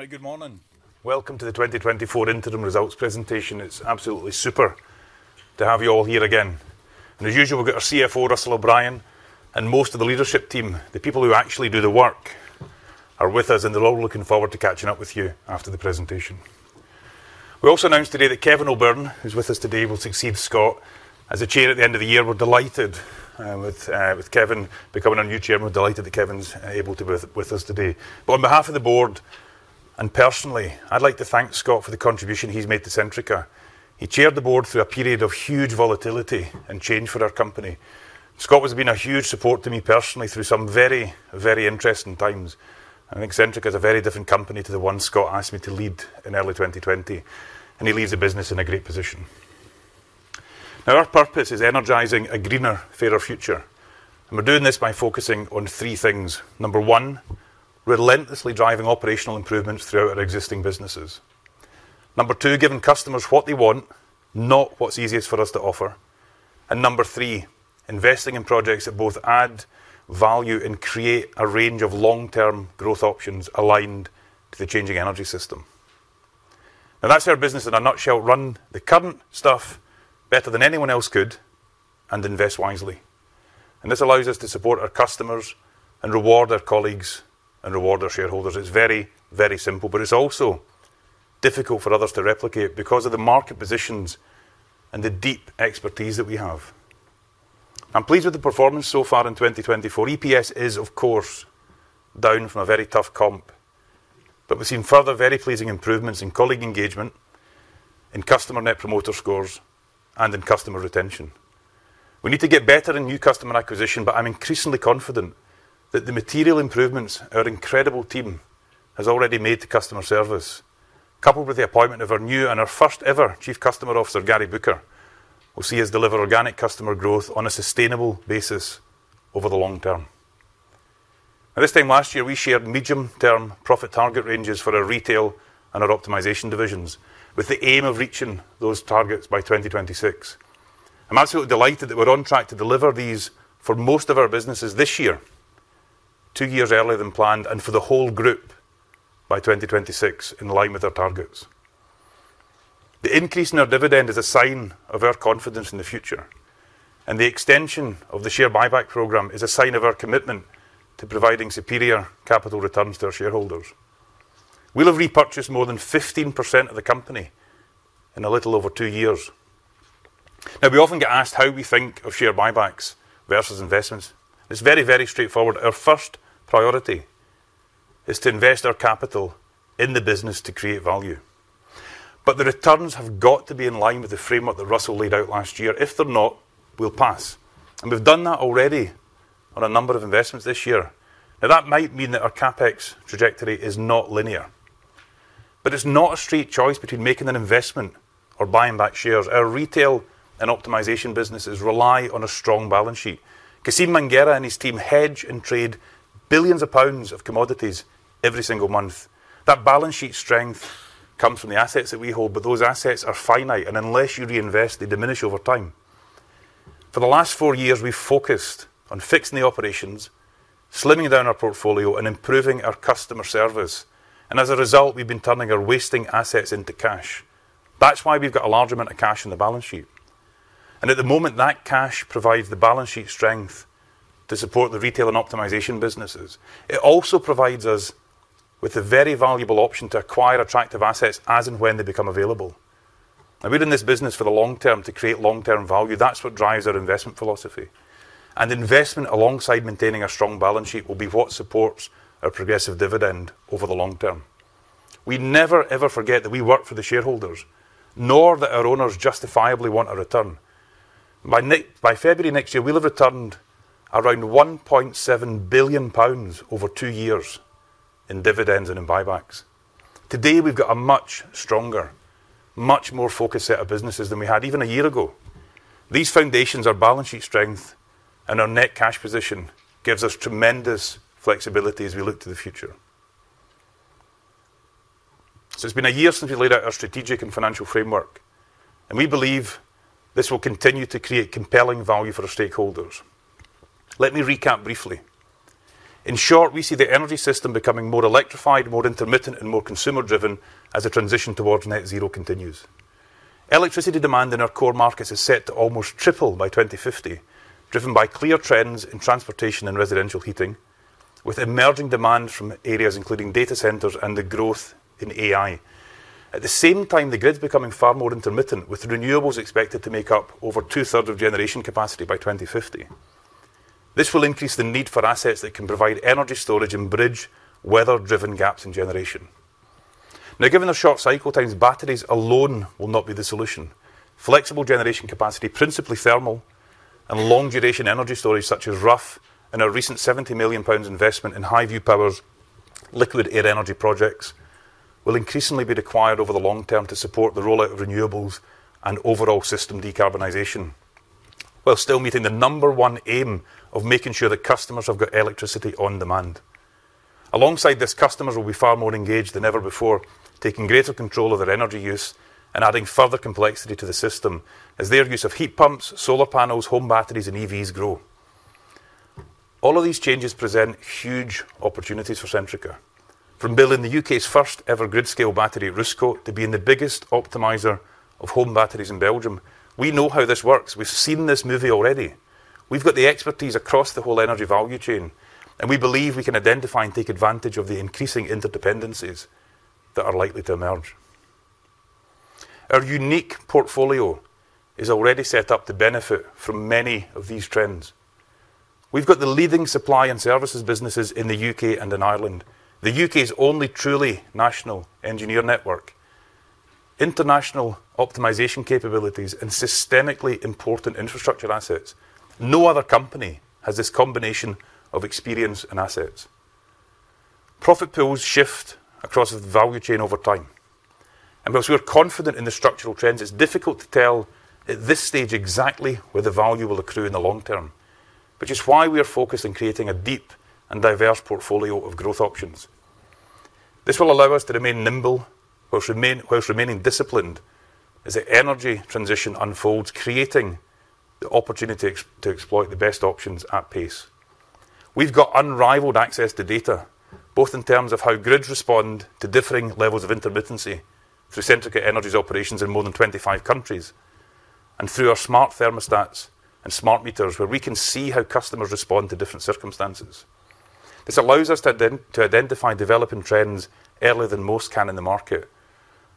Hi, good morning. Welcome to the 2024 interim results presentation. It's absolutely super to have you all here again. As usual, we've got our CFO, Russell O'Brien, and most of the leadership team, the people who actually do the work, are with us, and they're all looking forward to catching up with you after the presentation. We also announced today that Kevin O'Byrne, who's with us today, will succeed Scott as a chair at the end of the year. We're delighted with Kevin becoming our new chairman. We're delighted that Kevin's able to be with us today. But on behalf of the board and personally, I'd like to thank Scott for the contribution he's made to Centrica. He chaired the board through a period of huge volatility and change for our company. Scott has been a huge support to me personally through some very, very interesting times. I think Centrica is a very different company to the one Scott asked me to lead in early 2020, and he leads the business in a great position. Now, our purpose is energizing a greener, fairer future, and we're doing this by focusing on three things. Number one, relentlessly driving operational improvements throughout our existing businesses. Number two, giving customers what they want, not what's easiest for us to offer. And number three, investing in projects that both add value and create a range of long-term growth options aligned to the changing energy system. Now, that's our business in a nutshell: run the current stuff better than anyone else could and invest wisely. This allows us to support our customers and reward our colleagues and reward our shareholders. It's very, very simple, but it's also difficult for others to replicate because of the market positions and the deep expertise that we have. I'm pleased with the performance so far in 2024. EPS is, of course, down from a very tough comp, but we've seen further very pleasing improvements in colleague engagement, in customer net promoter scores, and in customer retention. We need to get better in new customer acquisition, but I'm increasingly confident that the material improvements our incredible team has already made to customer service, coupled with the appointment of our new and our first-ever Chief Customer Officer, Gary Booker, who sees us deliver organic customer growth on a sustainable basis over the long term. Now, this time last year, we shared medium-term profit target ranges for our retail and our optimization divisions with the aim of reaching those targets by 2026. I'm absolutely delighted that we're on track to deliver these for most of our businesses this year, two years earlier than planned, and for the whole group by 2026 in line with our targets. The increase in our dividend is a sign of our confidence in the future, and the extension of the share buyback program is a sign of our commitment to providing superior capital returns to our shareholders. We'll have repurchased more than 15% of the company in a little over two years. Now, we often get asked how we think of share buybacks versus investments. It's very, very straightforward. Our first priority is to invest our capital in the business to create value. But the returns have got to be in line with the framework that Russell laid out last year. If they're not, we'll pass. We've done that already on a number of investments this year. Now, that might mean that our CapEx trajectory is not linear, but it's not a straight choice between making an investment or buying back shares. Our retail and optimization businesses rely on a strong balance sheet. Cassim Mangerah and his team hedge and trade billions of GBP of commodities every single month. That balance sheet strength comes from the assets that we hold, but those assets are finite, and unless you reinvest, they diminish over time. For the last four years, we've focused on fixing the operations, slimming down our portfolio, and improving our customer service. As a result, we've been turning our wasting assets into cash. That's why we've got a large amount of cash in the balance sheet. At the moment, that cash provides the balance sheet strength to support the retail and optimization businesses. It also provides us with a very valuable option to acquire attractive assets as and when they become available. Now, we're in this business for the long term to create long-term value. That's what drives our investment philosophy. And investment alongside maintaining a strong balance sheet will be what supports our progressive dividend over the long term. We never, ever forget that we work for the shareholders, nor that our owners justifiably want a return. By February next year, we'll have returned around 1.7 billion pounds over two years in dividends and in buybacks. Today, we've got a much stronger, much more focused set of businesses than we had even a year ago. These foundations are balance sheet strength, and our net cash position gives us tremendous flexibility as we look to the future. So it's been a year since we laid out our strategic and financial framework, and we believe this will continue to create compelling value for our stakeholders. Let me recap briefly. In short, we see the energy system becoming more electrified, more intermittent, and more consumer-driven as the transition towards net zero continues. Electricity demand in our core markets is set to almost triple by 2050, driven by clear trends in transportation and residential heating, with emerging demand from areas including data centers and the growth in AI. At the same time, the grid's becoming far more intermittent, with renewables expected to make up over two-thirds of generation capacity by 2050. This will increase the need for assets that can provide energy storage and bridge weather-driven gaps in generation. Now, given our short cycle times, batteries alone will not be the solution. Flexible generation capacity, principally thermal, and long-duration energy storage, such as Rough, and our recent 70 million pounds investment in Highview Power's liquid air energy projects, will increasingly be required over the long term to support the rollout of renewables and overall system decarbonization, while still meeting the number one aim of making sure that customers have got electricity on demand. Alongside this, customers will be far more engaged than ever before, taking greater control of their energy use and adding further complexity to the system as their use of heat pumps, solar panels, home batteries, and EVs grow. All of these changes present huge opportunities for Centrica. From building the U.K's first-ever grid-scale battery, Roosecote, to being the biggest optimizer of home batteries in Belgium, we know how this works. We've seen this movie already. We've got the expertise across the whole energy value chain, and we believe we can identify and take advantage of the increasing interdependencies that are likely to emerge. Our unique portfolio is already set up to benefit from many of these trends. We've got the leading supply and services businesses in the U.K and in Ireland, the U.K's only truly national engineer network, international optimization capabilities, and systemically important infrastructure assets. No other company has this combination of experience and assets. Profit pools shift across the value chain over time. Because we're confident in the structural trends, it's difficult to tell at this stage exactly where the value will accrue in the long term, which is why we are focused on creating a deep and diverse portfolio of growth options. This will allow us to remain nimble, while remaining disciplined as the energy transition unfolds, creating the opportunity to exploit the best options at pace. We've got unrivaled access to data, both in terms of how grids respond to differing levels of intermittency through Centrica Energy's operations in more than 25 countries and through our smart thermostats and smart meters, where we can see how customers respond to different circumstances. This allows us to identify developing trends earlier than most can in the market,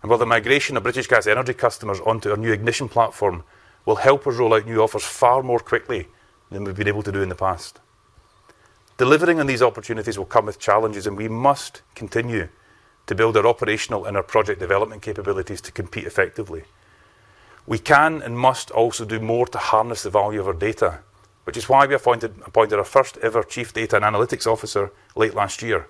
and while the migration of British Gas Energy customers onto our new Ignition platform will help us roll out new offers far more quickly than we've been able to do in the past, delivering on these opportunities will come with challenges, and we must continue to build our operational and our project development capabilities to compete effectively. We can and must also do more to harness the value of our data, which is why we appointed our first-ever Chief Data and Analytics Officer late last year.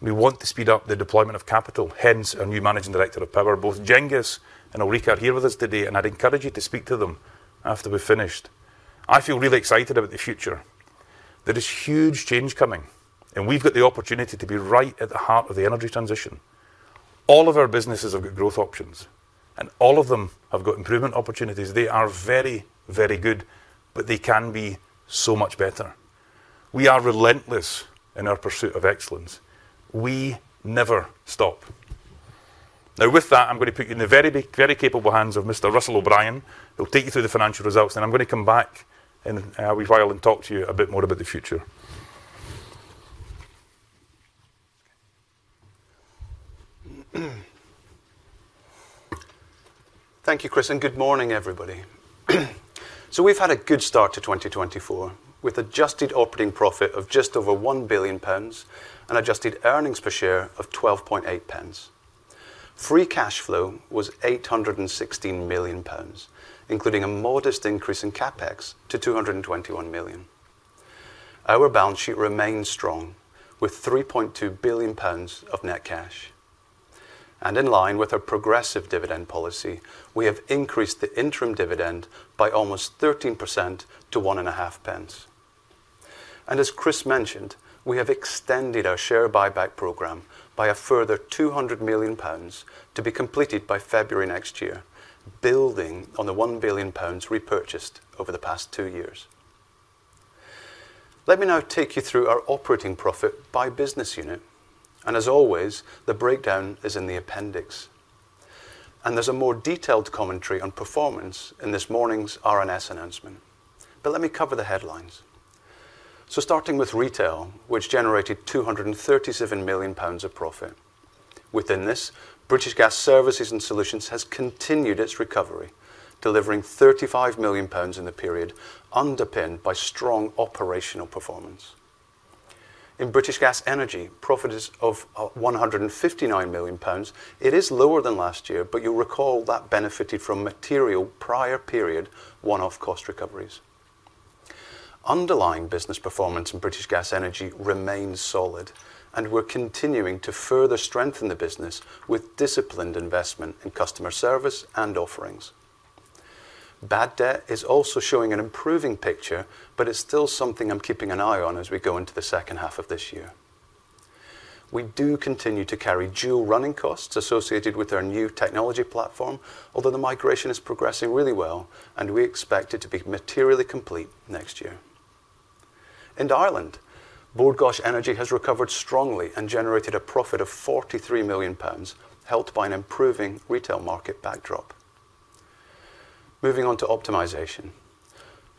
We want to speed up the deployment of capital, hence our new Managing Director of Power. Both Cengiz and Ulrika are here with us today, and I'd encourage you to speak to them after we've finished. I feel really excited about the future. There is huge change coming, and we've got the opportunity to be right at the heart of the energy transition. All of our businesses have got growth options, and all of them have got improvement opportunities. They are very, very good, but they can be so much better. We are relentless in our pursuit of excellence. We never stop. Now, with that, I'm going to put you in the very, very capable hands of Mr. Russell O’Brien. He'll take you through the financial results, and then I'm going to come back and we'll talk to you a bit more about the future. Thank you, Chris, and good morning, everybody. We've had a good start to 2024 with adjusted operating profit of just over 1 billion pounds and adjusted earnings per share of 12.8. Free cash flow was 816 million pounds, including a modest increase in CapEx to 221 million. Our balance sheet remains strong with 3.2 billion pounds of net cash. In line with our progressive dividend policy, we have increased the interim dividend by almost 13% to 1.5. As Chris mentioned, we have extended our share buyback program by a further 200 million pounds to be completed by February next year, building on the 1 billion pounds repurchased over the past two years. Let me now take you through our operating profit by business unit, and as always, the breakdown is in the appendix. There's a more detailed commentary on performance in this morning's RNS announcement, but let me cover the headlines. Starting with retail, which generated 237 million pounds of profit. Within this, British Gas Services and Solutions has continued its recovery, delivering 35 million pounds in the period underpinned by strong operational performance. In British Gas Energy, profit is of 159 million pounds. It is lower than last year, but you'll recall that benefited from material prior period one-off cost recoveries. Underlying business performance in British Gas Energy remains solid, and we're continuing to further strengthen the business with disciplined investment in customer service and offerings. Bad debt is also showing an improving picture, but it's still something I'm keeping an eye on as we go into the second half of this year. We do continue to carry dual running costs associated with our new technology platform, although the migration is progressing really well, and we expect it to be materially complete next year. In Ireland, Bord Gáis Energy has recovered strongly and generated a profit of 43 million pounds, helped by an improving retail market backdrop. Moving on to optimization.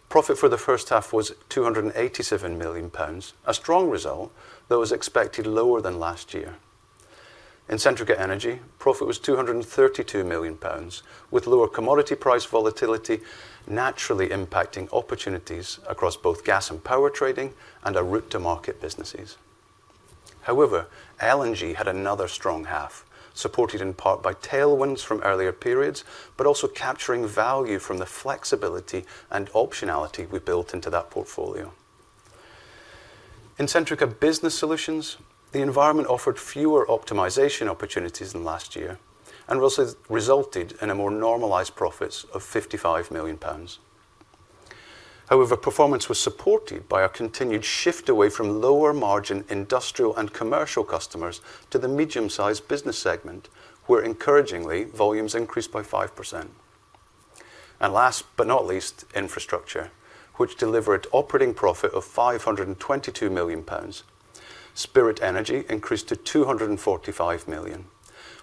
Profit for the first half was 287 million pounds, a strong result that was expected lower than last year. In Centrica Energy, profit was 232 million pounds, with lower commodity price volatility naturally impacting opportunities across both gas and power trading and our route-to-market businesses. However, LNG had another strong half, supported in part by tailwinds from earlier periods, but also capturing value from the flexibility and optionality we built into that portfolio. In Centrica Business Solutions, the environment offered fewer optimization opportunities than last year and resulted in a more normalized profit of 55 million pounds. However, performance was supported by our continued shift away from lower margin industrial and commercial customers to the medium-sized business segment, where encouragingly, volumes increased by 5%. Last but not least, infrastructure, which delivered operating profit of 522 million pounds. Spirit Energy increased to 245 million.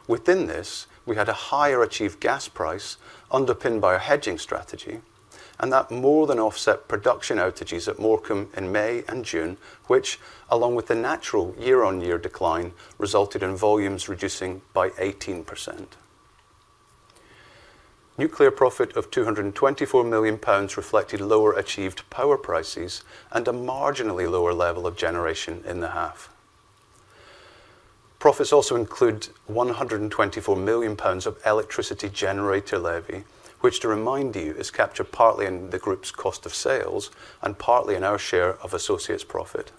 Within this, we had a higher achieved gas price underpinned by our hedging strategy, and that more than offset production outages at Morecambe in May and June, which, along with the natural year-on-year decline, resulted in volumes reducing by 18%. Nuclear profit of 224 million pounds reflected lower achieved power prices and a marginally lower level of generation in the half. Profits also include 124 million pounds of Electricity Generator Levy, which, to remind you, is captured partly in the group's cost of sales and partly in our share of associates' profit.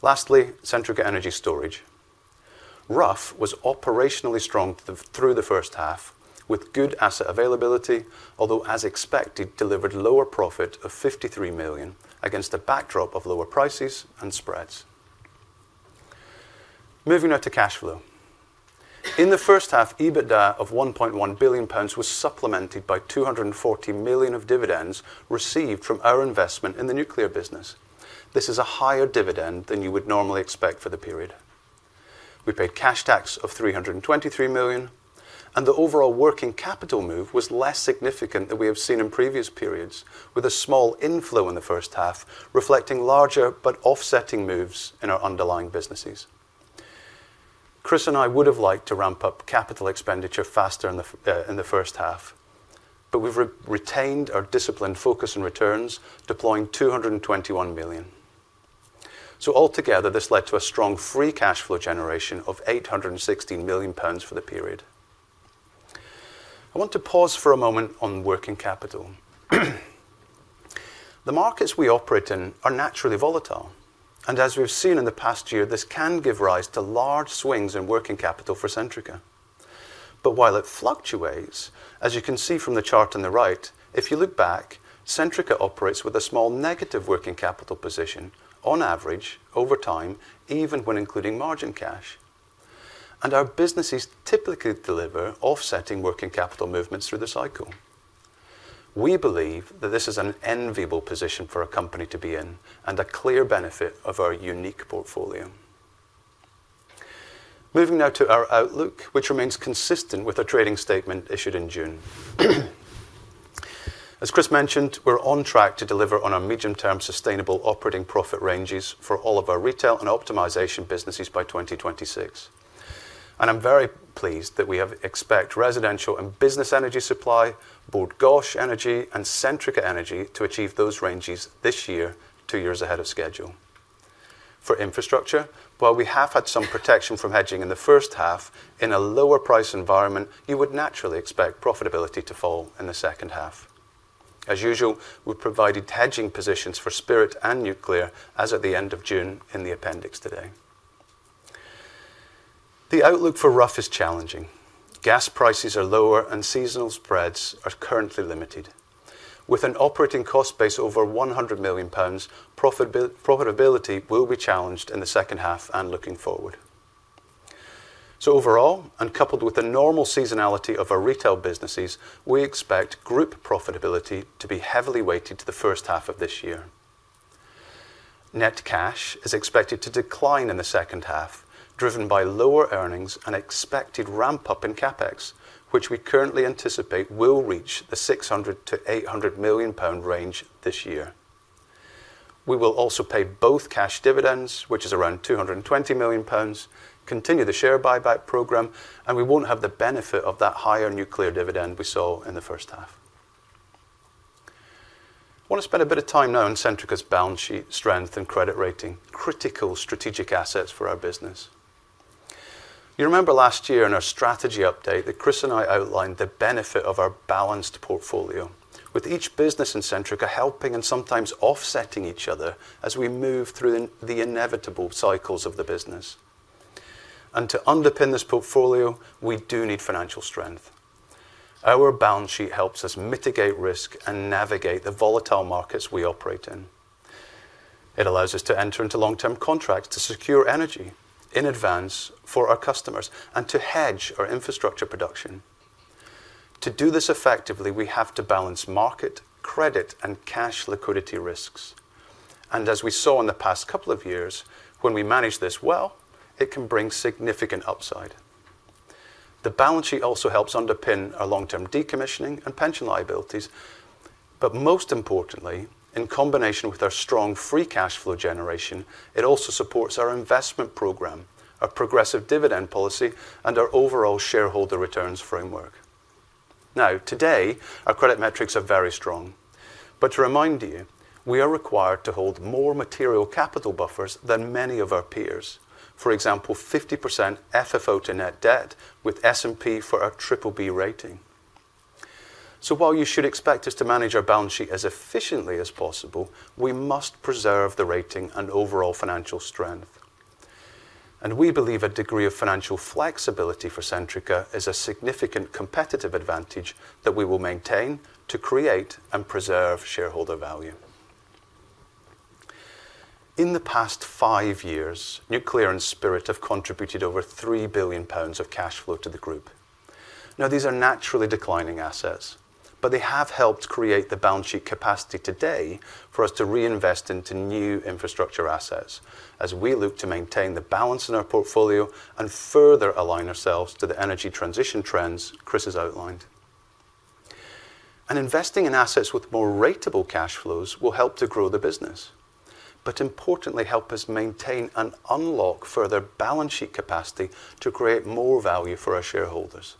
Lastly, Centrica Energy Storage. Rough was operationally strong through the first half, with good asset availability, although, as expected, delivered lower profit of 53 million against a backdrop of lower prices and spreads. Moving on to cash flow. In the first half, EBITDA of 1.1 billion pounds was supplemented by 240 million of dividends received from our investment in the nuclear business. This is a higher dividend than you would normally expect for the period. We paid cash tax of 323 million, and the overall working capital move was less significant than we have seen in previous periods, with a small inflow in the first half reflecting larger but offsetting moves in our underlying businesses. Chris and I would have liked to ramp up capital expenditure faster in the first half, but we've retained our disciplined focus on returns, deploying 221 million. So altogether, this led to a strong free cash flow generation of 816 million pounds for the period. I want to pause for a moment on working capital. The markets we operate in are naturally volatile, and as we've seen in the past year, this can give rise to large swings in working capital for Centrica. But while it fluctuates, as you can see from the chart on the right, if you look back, Centrica operates with a small negative working capital position on average over time, even when including margin cash. And our businesses typically deliver offsetting working capital movements through the cycle. We believe that this is an enviable position for a company to be in and a clear benefit of our unique portfolio. Moving now to our outlook, which remains consistent with our trading statement issued in June. As Chris mentioned, we're on track to deliver on our medium-term sustainable operating profit ranges for all of our retail and optimization businesses by 2026. I'm very pleased that we expect residential and business energy supply, Bord Gáis Energy, and Centrica Energy to achieve those ranges this year, two years ahead of schedule. For infrastructure, while we have had some protection from hedging in the first half, in a lower price environment, you would naturally expect profitability to fall in the second half. As usual, we've provided hedging positions for Spirit Energy and nuclear as of the end of June in the appendix today. The outlook for Rough is challenging. Gas prices are lower, and seasonal spreads are currently limited. With an operating cost base over 100 million pounds, profitability will be challenged in the second half and looking forward. So overall, and coupled with the normal seasonality of our retail businesses, we expect group profitability to be heavily weighted to the first half of this year. Net cash is expected to decline in the second half, driven by lower earnings and expected ramp-up in CapEx, which we currently anticipate will reach the 600 million-800 million pound range this year. We will also pay both cash dividends, which is around 220 million pounds, continue the share buyback program, and we won't have the benefit of that higher nuclear dividend we saw in the first half. I want to spend a bit of time now on Centrica's balance sheet strength and credit rating, critical strategic assets for our business. You remember last year in our strategy update that Chris and I outlined the benefit of our balanced portfolio, with each business in Centrica helping and sometimes offsetting each other as we move through the inevitable cycles of the business. To underpin this portfolio, we do need financial strength. Our balance sheet helps us mitigate risk and navigate the volatile markets we operate in. It allows us to enter into long-term contracts to secure energy in advance for our customers and to hedge our infrastructure production. To do this effectively, we have to balance market, credit, and cash liquidity risks. As we saw in the past couple of years, when we manage this well, it can bring significant upside. The balance sheet also helps underpin our long-term decommissioning and pension liabilities, but most importantly, in combination with our strong free cash flow generation, it also supports our investment program, our progressive dividend policy, and our overall shareholder returns framework. Now, today, our credit metrics are very strong, but to remind you, we are required to hold more material capital buffers than many of our peers, for example, 50% FFO to net debt with S&P for our triple B rating. So while you should expect us to manage our balance sheet as efficiently as possible, we must preserve the rating and overall financial strength. And we believe a degree of financial flexibility for Centrica is a significant competitive advantage that we will maintain to create and preserve shareholder value. In the past five years, nuclear and Spirit have contributed over 3 billion pounds of cash flow to the group. Now, these are naturally declining assets, but they have helped create the balance sheet capacity today for us to reinvest into new infrastructure assets as we look to maintain the balance in our portfolio and further align ourselves to the energy transition trends Chris has outlined. Investing in assets with more ratable cash flows will help to grow the business, but importantly, help us maintain and unlock further balance sheet capacity to create more value for our shareholders.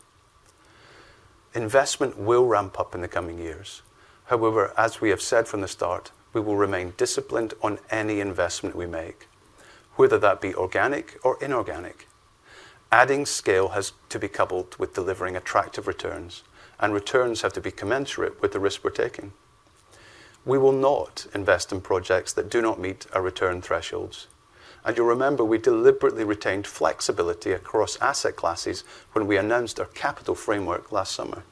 Investment will ramp up in the coming years. However, as we have said from the start, we will remain disciplined on any investment we make, whether that be organic or inorganic. Adding scale has to be coupled with delivering attractive returns, and returns have to be commensurate with the risk we're taking. We will not invest in projects that do not meet our return thresholds. You'll remember we deliberately retained flexibility across asset classes when we announced our capital framework last summer.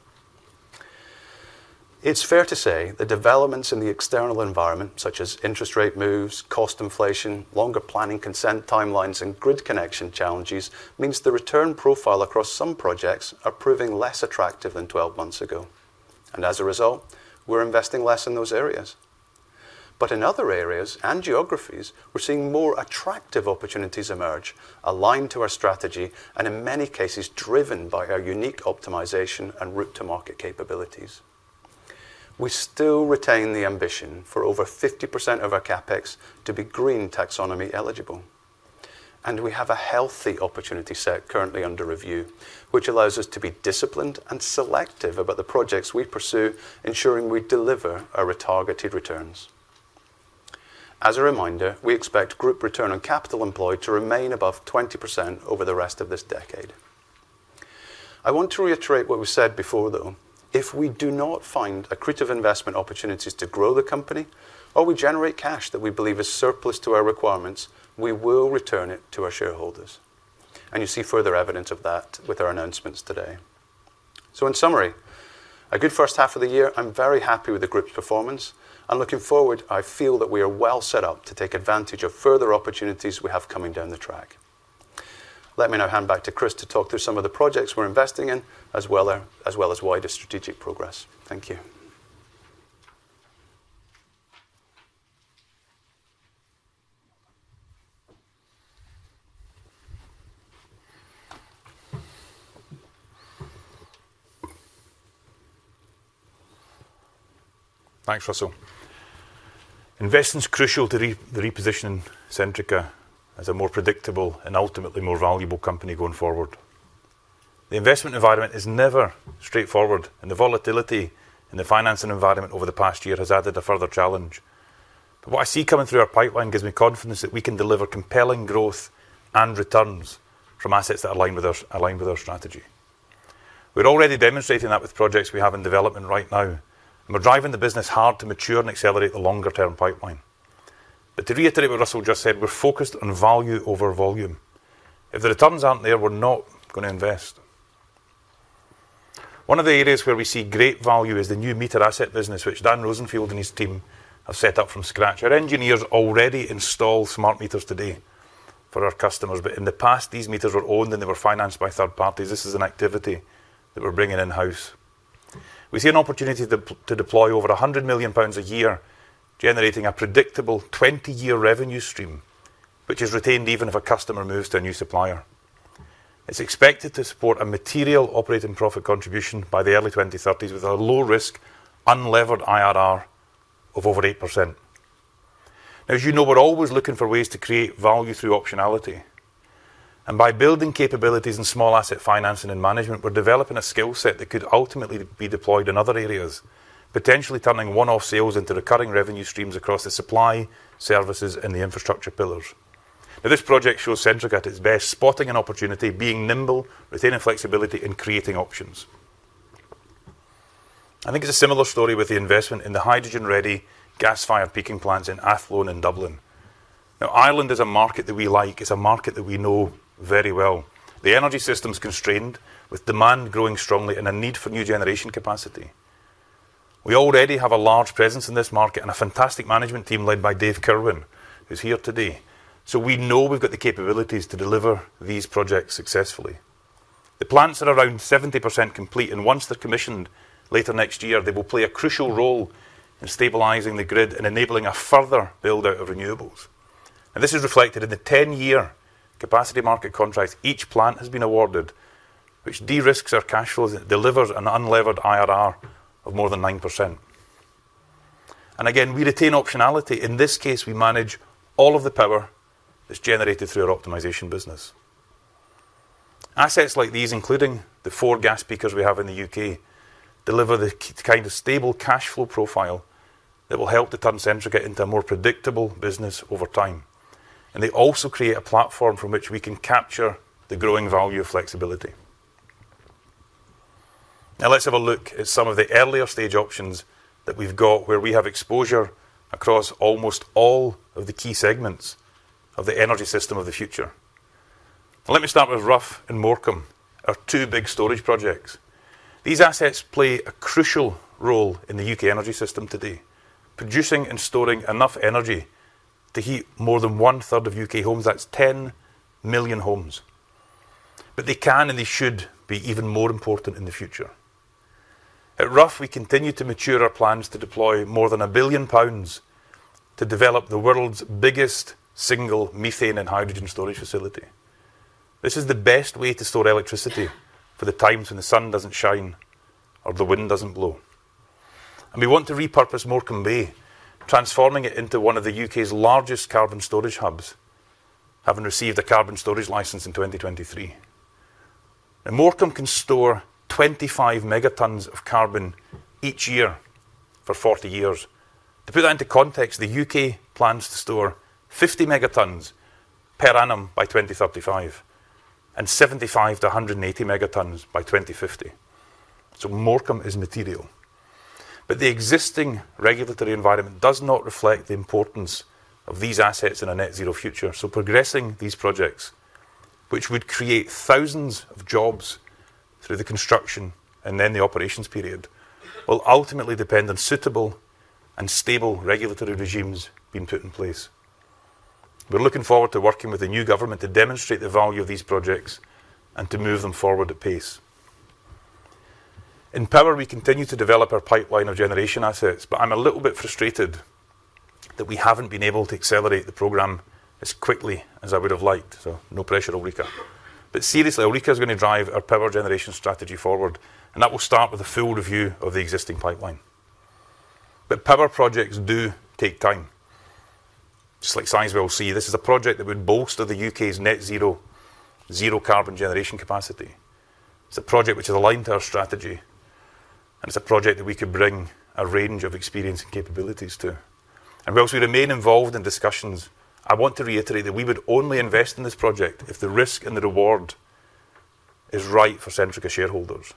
It's fair to say the developments in the external environment, such as interest rate moves, cost inflation, longer planning consent timelines, and grid connection challenges, means the return profile across some projects are proving less attractive than 12 months ago. And as a result, we're investing less in those areas. But in other areas and geographies, we're seeing more attractive opportunities emerge aligned to our strategy and, in many cases, driven by our unique optimization and route-to-market capabilities. We still retain the ambition for over 50% of our CapEx to be green taxonomy eligible. And we have a healthy opportunity set currently under review, which allows us to be disciplined and selective about the projects we pursue, ensuring we deliver our retargeted returns. As a reminder, we expect group return on capital employed to remain above 20% over the rest of this decade. I want to reiterate what we said before, though. If we do not find accretive investment opportunities to grow the company, or we generate cash that we believe is surplus to our requirements, we will return it to our shareholders. And you see further evidence of that with our announcements today. So in summary, a good first half of the year, I'm very happy with the group's performance. And looking forward, I feel that we are well set up to take advantage of further opportunities we have coming down the track. Let me now hand back to Chris to talk through some of the projects we're investing in, as well as wider strategic progress. Thank you. Thanks, Russell. Investment's crucial to the repositioning Centrica as a more predictable and ultimately more valuable company going forward. The investment environment is never straightforward, and the volatility in the financing environment over the past year has added a further challenge. But what I see coming through our pipeline gives me confidence that we can deliver compelling growth and returns from assets that align with our strategy. We're already demonstrating that with projects we have in development right now, and we're driving the business hard to mature and accelerate the longer-term pipeline. But to reiterate what Russell just said, we're focused on value over volume. If the returns aren't there, we're not going to invest. One of the areas where we see great value is the new meter asset business, which Dan Rosenfield and his team have set up from scratch. Our engineers already install smart meters today for our customers, but in the past, these meters were owned and they were financed by third parties. This is an activity that we're bringing in-house. We see an opportunity to deploy over 100 million pounds a year, generating a predictable 20-year revenue stream, which is retained even if a customer moves to a new supplier. It's expected to support a material operating profit contribution by the early 2030s with a low-risk, unlevered IRR of over 8%. Now, as you know, we're always looking for ways to create value through optionality. And by building capabilities in small asset financing and management, we're developing a skill set that could ultimately be deployed in other areas, potentially turning one-off sales into recurring revenue streams across the supply, services, and the infrastructure pillars. Now, this project shows Centrica at its best, spotting an opportunity, being nimble, retaining flexibility, and creating options. I think it's a similar story with the investment in the hydrogen-ready gas-fired peaking plants in Athlone and Dublin. Now, Ireland is a market that we like. It's a market that we know very well. The energy system's constrained, with demand growing strongly and a need for new generation capacity. We already have a large presence in this market and a fantastic management team led by Dave Kirwan, who's here today. So we know we've got the capabilities to deliver these projects successfully. The plants are around 70% complete, and once they're commissioned later next year, they will play a crucial role in stabilizing the grid and enabling a further build-out of renewables. This is reflected in the 10-year Capacity Market contracts each plant has been awarded, which de-risk our cash flows, delivers an unlevered IRR of more than 9%. Again, we retain optionality. In this case, we manage all of the power that's generated through our optimization business. Assets like these, including the four gas peakers we have in the U.K., deliver the kind of stable cash flow profile that will help to turn Centrica into a more predictable business over time. And they also create a platform from which we can capture the growing value of flexibility. Now, let's have a look at some of the earlier stage options that we've got, where we have exposure across almost all of the key segments of the energy system of the future. Let me start with Rough and Morecambe, our two big storage projects. These assets play a crucial role in the U.K. energy system today, producing and storing enough energy to heat more than one-third of U.K. homes. That's 10 million homes. But they can and they should be even more important in the future. At Rough, we continue to mature our plans to deploy more than 1 billion pounds to develop the world's biggest single methane and hydrogen storage facility. This is the best way to store electricity for the times when the sun doesn't shine or the wind doesn't blow. And we want to repurpose Morecambe Bay, transforming it into one of the U.K.'s largest carbon storage hubs, having received a carbon storage license in 2023. And Morecambe can store 25 megatons of carbon each year for 40 years. To put that into context, the U.K. plans to store 50 megatons per annum by 2035 and 75-180 megatons by 2050. So Morecambe is material. But the existing regulatory environment does not reflect the importance of these assets in a net-zero future. So progressing these projects, which would create thousands of jobs through the construction and then the operations period, will ultimately depend on suitable and stable regulatory regimes being put in place. We're looking forward to working with the new government to demonstrate the value of these projects and to move them forward at pace. In power, we continue to develop our pipeline of generation assets, but I'm a little bit frustrated that we haven't been able to accelerate the program as quickly as I would have liked. So no pressure, Ulrika. But seriously, Ulrika is going to drive our power generation strategy forward, and that will start with a full review of the existing pipeline. But power projects do take time. Just like Sizewell C, this is a project that would bolster the U.K's net-zero zero-carbon generation capacity. It's a project which is aligned to our strategy, and it's a project that we could bring a range of experience and capabilities to. And whilst we remain involved in discussions, I want to reiterate that we would only invest in this project if the risk and the reward is right for Centrica shareholders.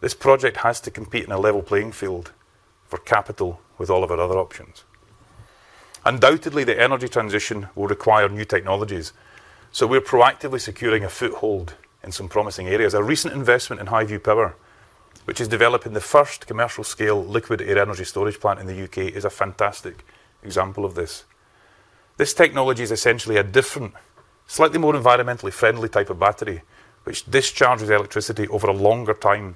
This project has to compete in a level playing field for capital with all of our other options. Undoubtedly, the energy transition will require new technologies, so we're proactively securing a foothold in some promising areas. A recent investment in Highview Power, which is developing the first commercial-scale liquid air energy storage plant in the U.K, is a fantastic example of this. This technology is essentially a different, slightly more environmentally friendly type of battery, which discharges electricity over a longer time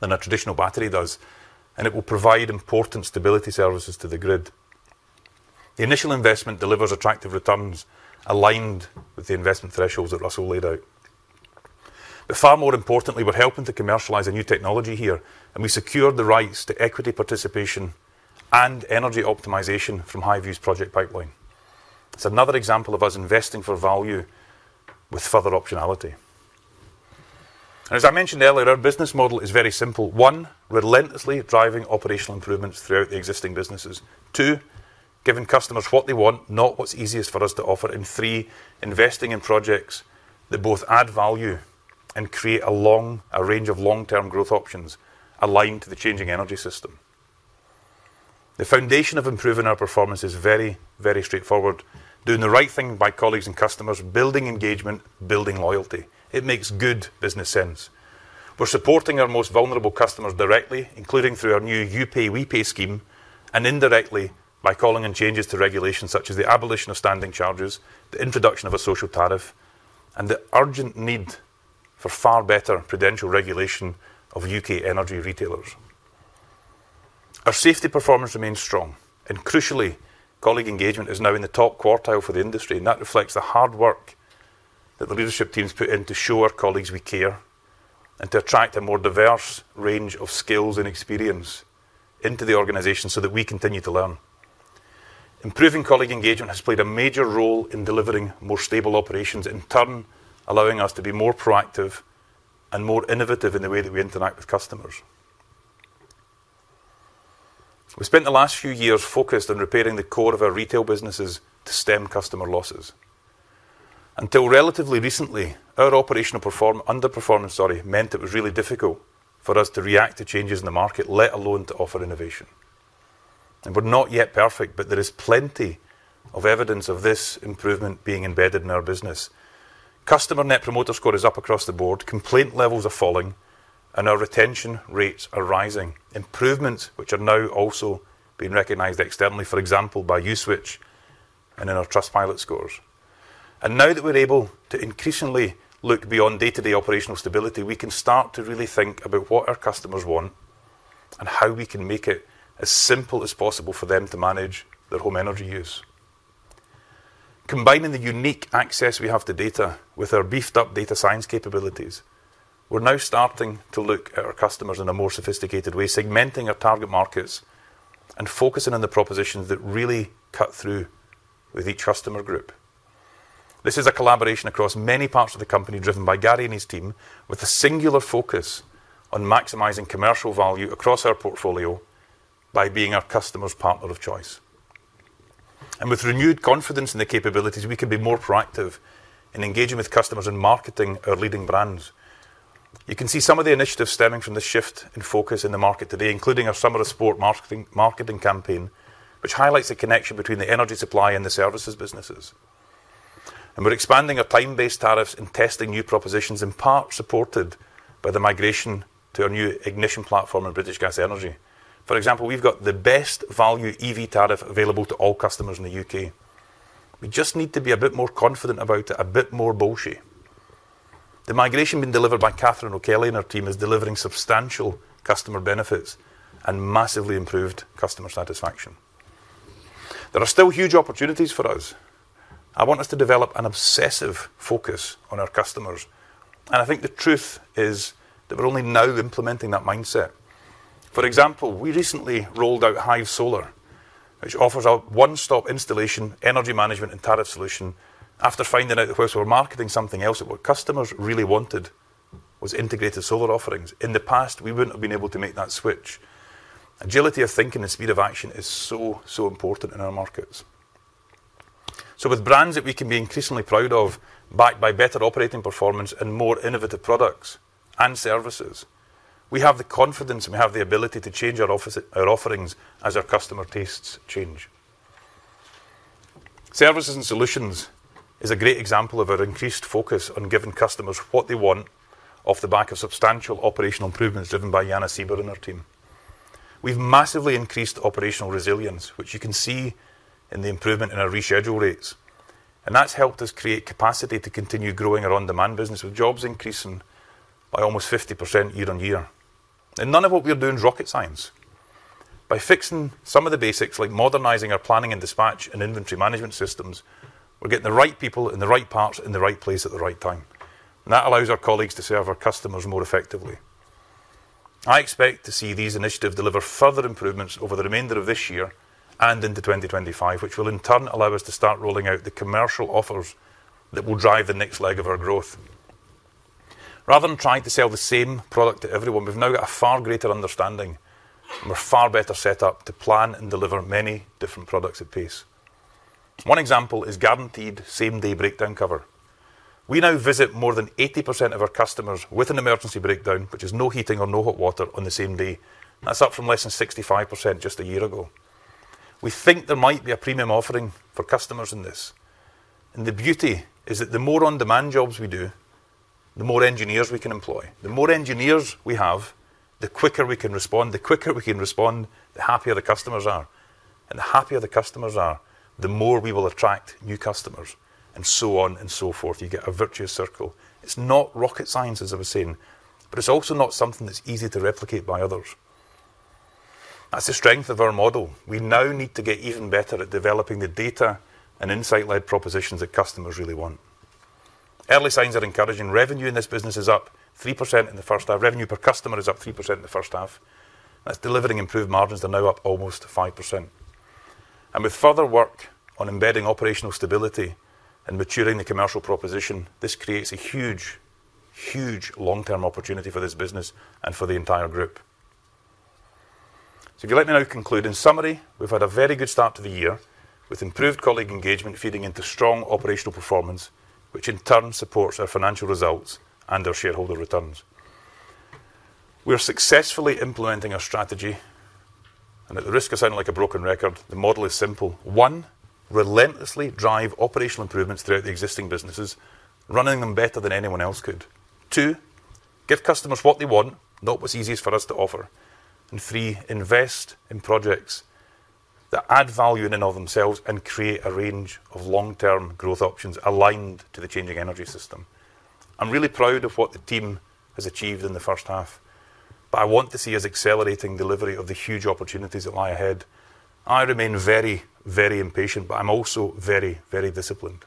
than a traditional battery does, and it will provide important stability services to the grid. The initial investment delivers attractive returns aligned with the investment thresholds that Russell laid out. But far more importantly, we're helping to commercialize a new technology here, and we secured the rights to equity participation and energy optimization from Highview's project pipeline. It's another example of us investing for value with further optionality. And as I mentioned earlier, our business model is very simple. One, relentlessly driving operational improvements throughout the existing businesses. Two, giving customers what they want, not what's easiest for us to offer. And three, investing in projects that both add value and create a range of long-term growth options aligned to the changing energy system. The foundation of improving our performance is very, very straightforward. Doing the right thing by colleagues and customers, building engagement, building loyalty. It makes good business sense. We're supporting our most vulnerable customers directly, including through our new You Pay: We Pay scheme, and indirectly by calling on changes to regulations such as the abolition of standing charges, the introduction of a social tariff, and the urgent need for far better prudential regulation of U.K. energy retailers. Our safety performance remains strong, and crucially, colleague engagement is now in the top quartile for the industry, and that reflects the hard work that the leadership teams put in to show our colleagues we care and to attract a more diverse range of skills and experience into the organization so that we continue to learn. Improving colleague engagement has played a major role in delivering more stable operations, in turn allowing us to be more proactive and more innovative in the way that we interact with customers. We spent the last few years focused on repairing the core of our retail businesses to stem customer losses. Until relatively recently, our operational underperformance meant it was really difficult for us to react to changes in the market, let alone to offer innovation. And we're not yet perfect, but there is plenty of evidence of this improvement being embedded in our business. Customer Net Promoter Score is up across the board, complaint levels are falling, and our retention rates are rising. Improvements which are now also being recognized externally, for example, by Uswitch and in our Trustpilot scores. Now that we're able to increasingly look beyond day-to-day operational stability, we can start to really think about what our customers want and how we can make it as simple as possible for them to manage their home energy use. Combining the unique access we have to data with our beefed-up data science capabilities, we're now starting to look at our customers in a more sophisticated way, segmenting our target markets and focusing on the propositions that really cut through with each customer group. This is a collaboration across many parts of the company driven by Gary and his team, with a singular focus on maximizing commercial value across our portfolio by being our customer's partner of choice. With renewed confidence in the capabilities, we can be more proactive in engaging with customers and marketing our leading brands. You can see some of the initiatives stemming from this shift in focus in the market today, including our Summer of Sport marketing campaign, which highlights the connection between the energy supply and the services businesses. We're expanding our time-based tariffs and testing new propositions, in part supported by the migration to our new Ignition platform in British Gas Energy. For example, we've got the best value EV tariff available to all customers in the U.K. We just need to be a bit more confident about it, a bit more bullish. The migration being delivered by Catherine O'Kelly and her team is delivering substantial customer benefits and massively improved customer satisfaction. There are still huge opportunities for us. I want us to develop an obsessive focus on our customers. I think the truth is that we're only now implementing that mindset. For example, we recently rolled out Hive Solar, which offers a one-stop installation, energy management, and tariff solution after finding out that we're marketing something else that what customers really wanted was integrated solar offerings. In the past, we wouldn't have been able to make that switch. Agility of thinking and speed of action is so, so important in our markets. So with brands that we can be increasingly proud of backed by better operating performance and more innovative products and services, we have the confidence and we have the ability to change our offerings as our customer tastes change. Services and Solutions is a great example of our increased focus on giving customers what they want off the back of substantial operational improvements driven by Jana Siber and her team. We've massively increased operational resilience, which you can see in the improvement in our reschedule rates. That's helped us create capacity to continue growing our on-demand business with jobs increasing by almost 50% year-on-year. None of what we're doing is rocket science. By fixing some of the basics, like modernizing our planning and dispatch and inventory management systems, we're getting the right people in the right parts in the right place at the right time. That allows our colleagues to serve our customers more effectively. I expect to see these initiatives deliver further improvements over the remainder of this year and into 2025, which will in turn allow us to start rolling out the commercial offers that will drive the next leg of our growth. Rather than trying to sell the same product to everyone, we've now got a far greater understanding, and we're far better set up to plan and deliver many different products at pace. One example is guaranteed same-day breakdown cover. We now visit more than 80% of our customers with an emergency breakdown, which is no heating or no hot water on the same day. That's up from less than 65% just a year ago. We think there might be a premium offering for customers in this. And the beauty is that the more on-demand jobs we do, the more engineers we can employ. The more engineers we have, the quicker we can respond. The quicker we can respond, the happier the customers are. And the happier the customers are, the more we will attract new customers, and so on and so forth. You get a virtuous circle. It's not rocket science, as I was saying, but it's also not something that's easy to replicate by others. That's the strength of our model. We now need to get even better at developing the data and insight-led propositions that customers really want. Early signs are encouraging. Revenue in this business is up 3% in the first half. Revenue per customer is up 3% in the first half. That's delivering improved margins that are now up almost 5%. With further work on embedding operational stability and maturing the commercial proposition, this creates a huge, huge long-term opportunity for this business and for the entire group. If you let me now conclude, in summary, we've had a very good start to the year with improved colleague engagement feeding into strong operational performance, which in turn supports our financial results and our shareholder returns. We're successfully implementing our strategy. At the risk of sounding like a broken record, the model is simple. One, relentlessly drive operational improvements throughout the existing businesses, running them better than anyone else could. Two, give customers what they want, not what's easiest for us to offer. And three, invest in projects that add value in and of themselves and create a range of long-term growth options aligned to the changing energy system. I'm really proud of what the team has achieved in the first half, but I want to see us accelerating delivery of the huge opportunities that lie ahead. I remain very, very impatient, but I'm also very, very disciplined.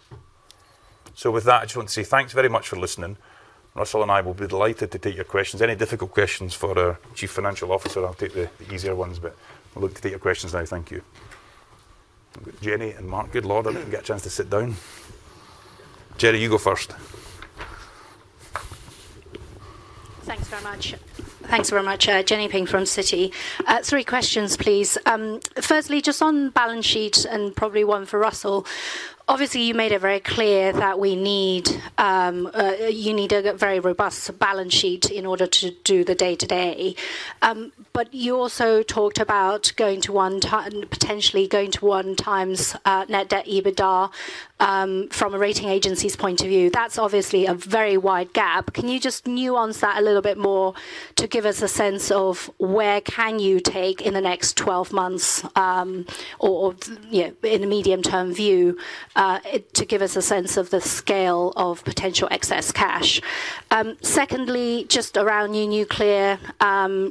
So with that, I just want to say thanks very much for listening. Russell and I will be delighted to take your questions. Any difficult questions for our Chief Financial Officer, I'll take the easier ones, but I'll look to take your questions now. Thank you. Jenny and Mark, good Lord, I didn't get a chance to sit down. Jenny, you go first. Thanks very much. Thanks very much. Jenny Ping from Citi. Three questions, please. Firstly, just on balance sheet and probably one for Russell. Obviously, you made it very clear that we need a very robust balance sheet in order to do the day-to-day. But you also talked about going to one potentially going to one times net debt EBITDA from a rating agency's point of view. That's obviously a very wide gap. Can you just nuance that a little bit more to give us a sense of where can you take in the next 12 months or in a medium-term view to give us a sense of the scale of potential excess cash? Secondly, just around new nuclear,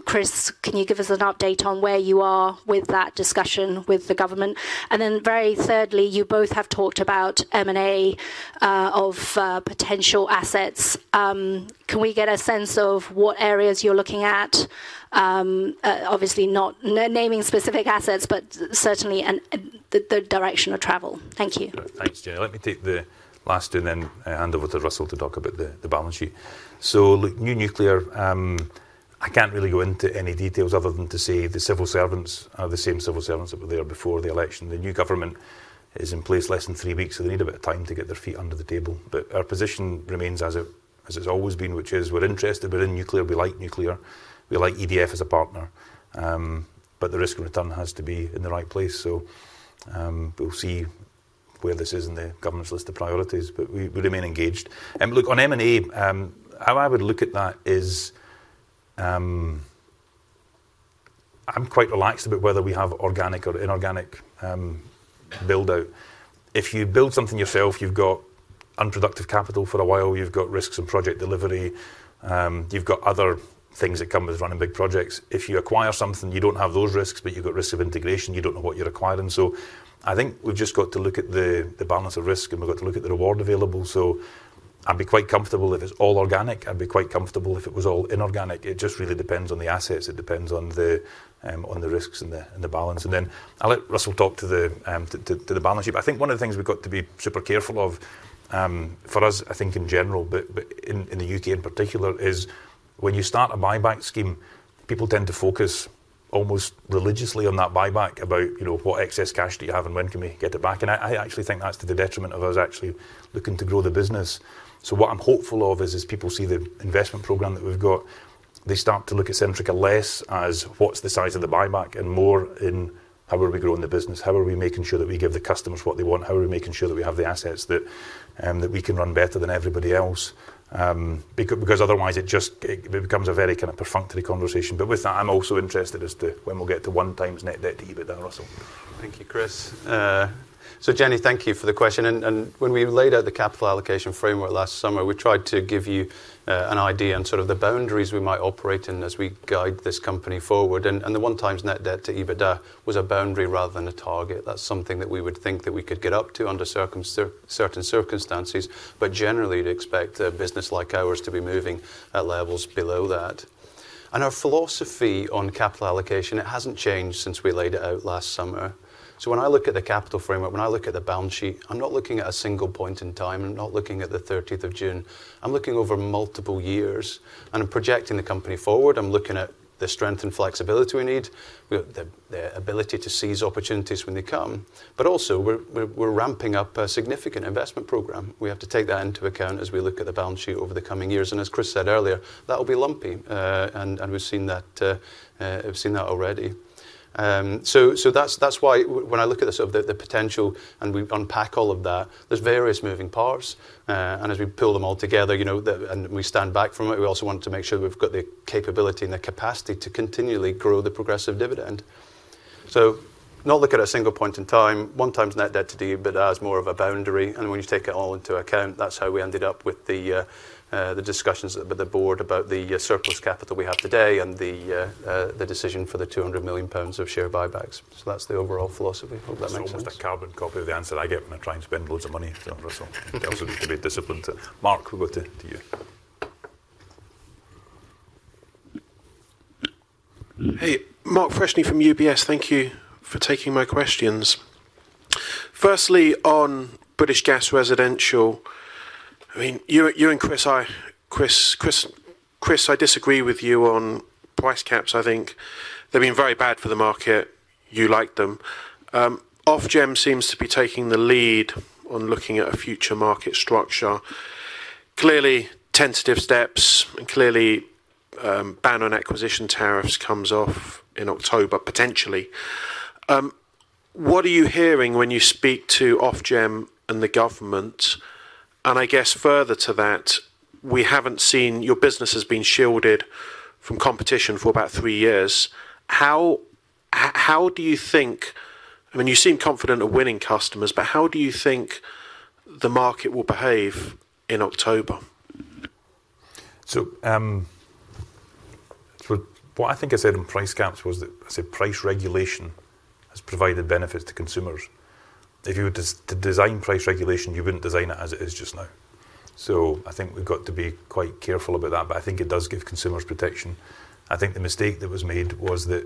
Chris, can you give us an update on where you are with that discussion with the government? And then very thirdly, you both have talked about M&A of potential assets. Can we get a sense of what areas you're looking at? Obviously, not naming specific assets, but certainly the direction of travel. Thank you. Thanks, Jenny. Let me take the last and then hand over to Russell to talk about the balance sheet. So look, new nuclear, I can't really go into any details other than to say the civil servants are the same civil servants that were there before the election. The new government is in place less than three weeks, so they need a bit of time to get their feet under the table. But our position remains as it's always been, which is we're interested, we're in nuclear, we like nuclear, we like EDF as a partner, but the risk and return has to be in the right place. So we'll see where this is in the government's list of priorities, but we remain engaged. And look, on M&A, how I would look at that is I'm quite relaxed about whether we have organic or inorganic build-out. If you build something yourself, you've got unproductive capital for a while, you've got risks in project delivery, you've got other things that come with running big projects. If you acquire something, you don't have those risks, but you've got risks of integration, you don't know what you're acquiring. So I think we've just got to look at the balance of risk, and we've got to look at the reward available. So I'd be quite comfortable if it's all organic. I'd be quite comfortable if it was all inorganic. It just really depends on the assets. It depends on the risks and the balance. Then I'll let Russell talk to the balance sheet. I think one of the things we've got to be super careful of for us, I think in general, but in the U.K. in particular, is when you start a buyback scheme, people tend to focus almost religiously on that buyback about what excess cash do you have and when can we get it back. And I actually think that's to the detriment of us actually looking to grow the business. So what I'm hopeful of is as people see the investment program that we've got, they start to look at Centrica less as what's the size of the buyback and more in how are we growing the business, how are we making sure that we give the customers what they want, how are we making sure that we have the assets that we can run better than everybody else? Because otherwise it just becomes a very kind of perfunctory conversation. But with that, I'm also interested as to when we'll get to 1x net debt to EBITDA, Russell. Thank you, Chris. So Jenny, thank you for the question. And when we laid out the capital allocation framework last summer, we tried to give you an idea on sort of the boundaries we might operate in as we guide this company forward. The 1x net debt to EBITDA was a boundary rather than a target. That's something that we would think that we could get up to under certain circumstances, but generally to expect a business like ours to be moving at levels below that. Our philosophy on capital allocation, it hasn't changed since we laid it out last summer. So when I look at the capital framework, when I look at the balance sheet, I'm not looking at a single point in time, I'm not looking at the 30th of June, I'm looking over multiple years. And I'm projecting the company forward, I'm looking at the strength and flexibility we need, the ability to seize opportunities when they come. But also we're ramping up a significant investment program. We have to take that into account as we look at the balance sheet over the coming years. As Chris said earlier, that'll be lumpy, and we've seen that already. So that's why when I look at the potential and we unpack all of that, there's various moving parts. And as we pull them all together and we stand back from it, we also want to make sure we've got the capability and the capacity to continually grow the progressive dividend. So not look at a single point in time, 1x net debt to EBITDA as more of a boundary. And when you take it all into account, that's how we ended up with the discussions with the board about the surplus capital we have today and the decision for the 200 million pounds of share buybacks. So that's the overall philosophy. Hope that makes sense. That's almost a carbon copy of the answer that I get when I try and spend loads of money. So Russell, you also need to be disciplined. Mark, we'll go to you. Hey, Mark Freshney from UBS, thank you for taking my questions. Firstly, on British Gas Residential, I mean, you and Chris, I disagree with you on price caps. I think they've been very bad for the market. You like them. Ofgem seems to be taking the lead on looking at a future market structure. Clearly, tentative steps and clearly ban on acquisition tariffs comes off in October, potentially. What are you hearing when you speak to Ofgem and the government? And I guess further to that, we haven't seen your business has been shielded from competition for about three years. How do you think, I mean, you seem confident of winning customers, but how do you think the market will behave in October? So what I think I said on price caps was that I said price regulation has provided benefits to consumers. If you were to design price regulation, you wouldn't design it as it is just now. So I think we've got to be quite careful about that, but I think it does give consumers protection. I think the mistake that was made was that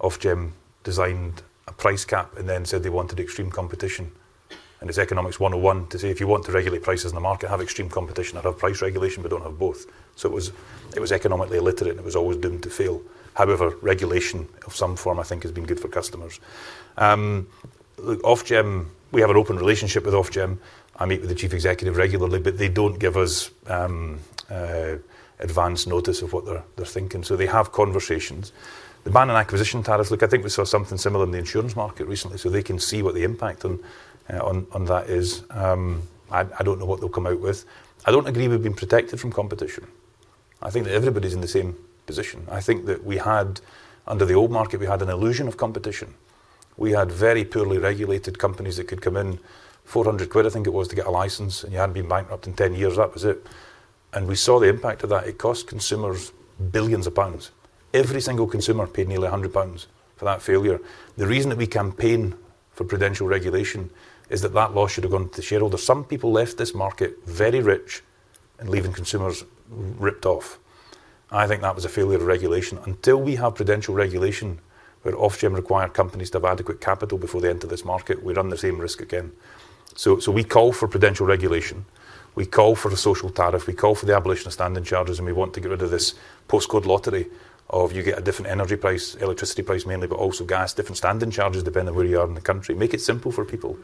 Ofgem designed a price cap and then said they wanted extreme competition. And it's economics 101 to say if you want to regulate prices in the market, have extreme competition, have price regulation, but don't have both. So it was economically illiterate and it was always doomed to fail. However, regulation of some form I think has been good for customers. Look, we have an open relationship with Ofgem. I meet with the chief executive regularly, but they don't give us advance notice of what they're thinking. So they have conversations. The ban on acquisition tariffs, look, I think we saw something similar in the insurance market recently, so they can see what the impact on that is. I don't know what they'll come out with. I don't agree we've been protected from competition. I think that everybody's in the same position. I think that we had, under the old market, we had an illusion of competition. We had very poorly regulated companies that could come in, 400 quid, I think it was, to get a license, and you hadn't been bankrupt in 10 years. That was it. And we saw the impact of that. It cost consumers billions of GBP. Every single consumer paid nearly 100 pounds for that failure. The reason that we campaign for prudential regulation is that that loss should have gone to the shareholders. Some people left this market very rich and leaving consumers ripped off. I think that was a failure of regulation. Until we have prudential regulation where Ofgem require companies to have adequate capital before they enter this market, we run the same risk again. So we call for prudential regulation. We call for a social tariff. We call for the abolition of standing charges, and we want to get rid of this postcode lottery of you get a different energy price, electricity price mainly, but also gas, different standing charges depending on where you are in the country. Make it simple for people.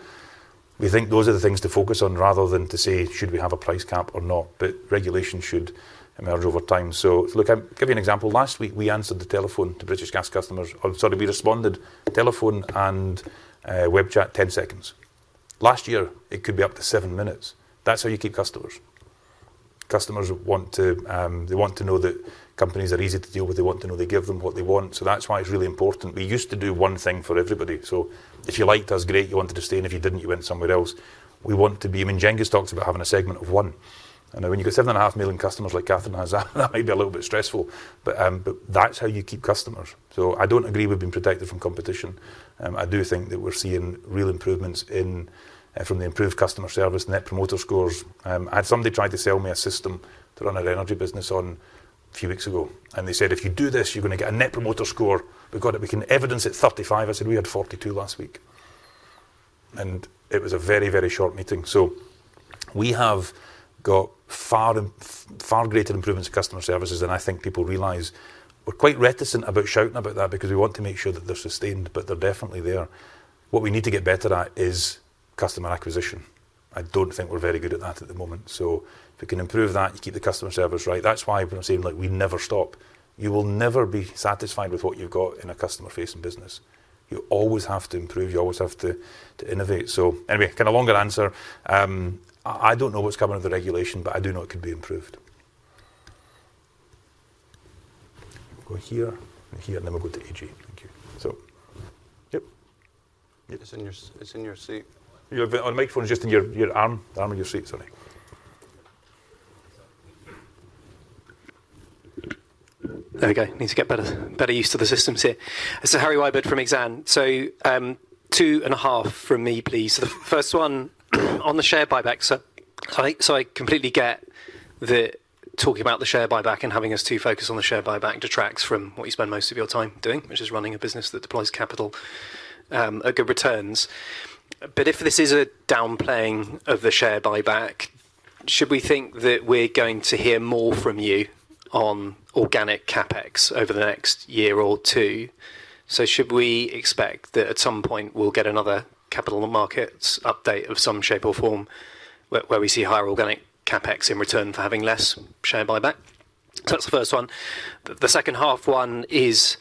We think those are the things to focus on rather than to say, should we have a price cap or not? But regulation should emerge over time. So look, I'll give you an example. Last week, we answered the telephone to British Gas customers. Sorry, we responded to telephone and web chat in 10 seconds. Last year, it could be up to 7 minutes. That's how you keep customers. Customers want to know that companies are easy to deal with. They want to know they give them what they want. So that's why it's really important. We used to do one thing for everybody. So if you liked us, great, you wanted to stay. And if you didn't, you went somewhere else. We want to be. I mean, Jen just talks about having a segment of one. And when you get 7.5 million customers like Catherine has, that might be a little bit stressful, but that's how you keep customers. So I don't agree we've been protected from competition. I do think that we're seeing real improvements from the improved customer service, Net Promoter Scores. I had somebody try to sell me a system to run an energy business on a few weeks ago, and they said, if you do this, you're going to get a Net Promoter Score. We've got it. We can evidence it 35. I said we had 42 last week. And it was a very, very short meeting. So we have got far greater improvements in customer services than I think people realize. We're quite reticent about shouting about that because we want to make sure that they're sustained, but they're definitely there. What we need to get better at is customer acquisition. I don't think we're very good at that at the moment. So if we can improve that, you keep the customer service right. That's why we're saying we never stop. You will never be satisfied with what you've got in a customer-facing business. You always have to improve. You always have to innovate. So anyway, kind of longer answer. I don't know what's coming with the regulation, but I do know it could be improved. Go here, and here, and then we'll go to AJ. Thank you. So yep. It's in your seat. Your microphone is just in your arm. The arm in your seat, sorry. There we go. Need to get better used to the systems here. So Harry Wyburd from Exane. So 2.5 from me, please. So the first one, on the share buyback, so I completely get the talking about the share buyback and having us too focused on the share buyback detracts from what you spend most of your time doing, which is running a business that deploys capital at good returns. If this is a downplaying of the share buyback, should we think that we're going to hear more from you on organic CapEx over the next year or two? Should we expect that at some point we'll get another capital markets update of some shape or form where we see higher organic CapEx in return for having less share buyback? That's the first one. The second half one is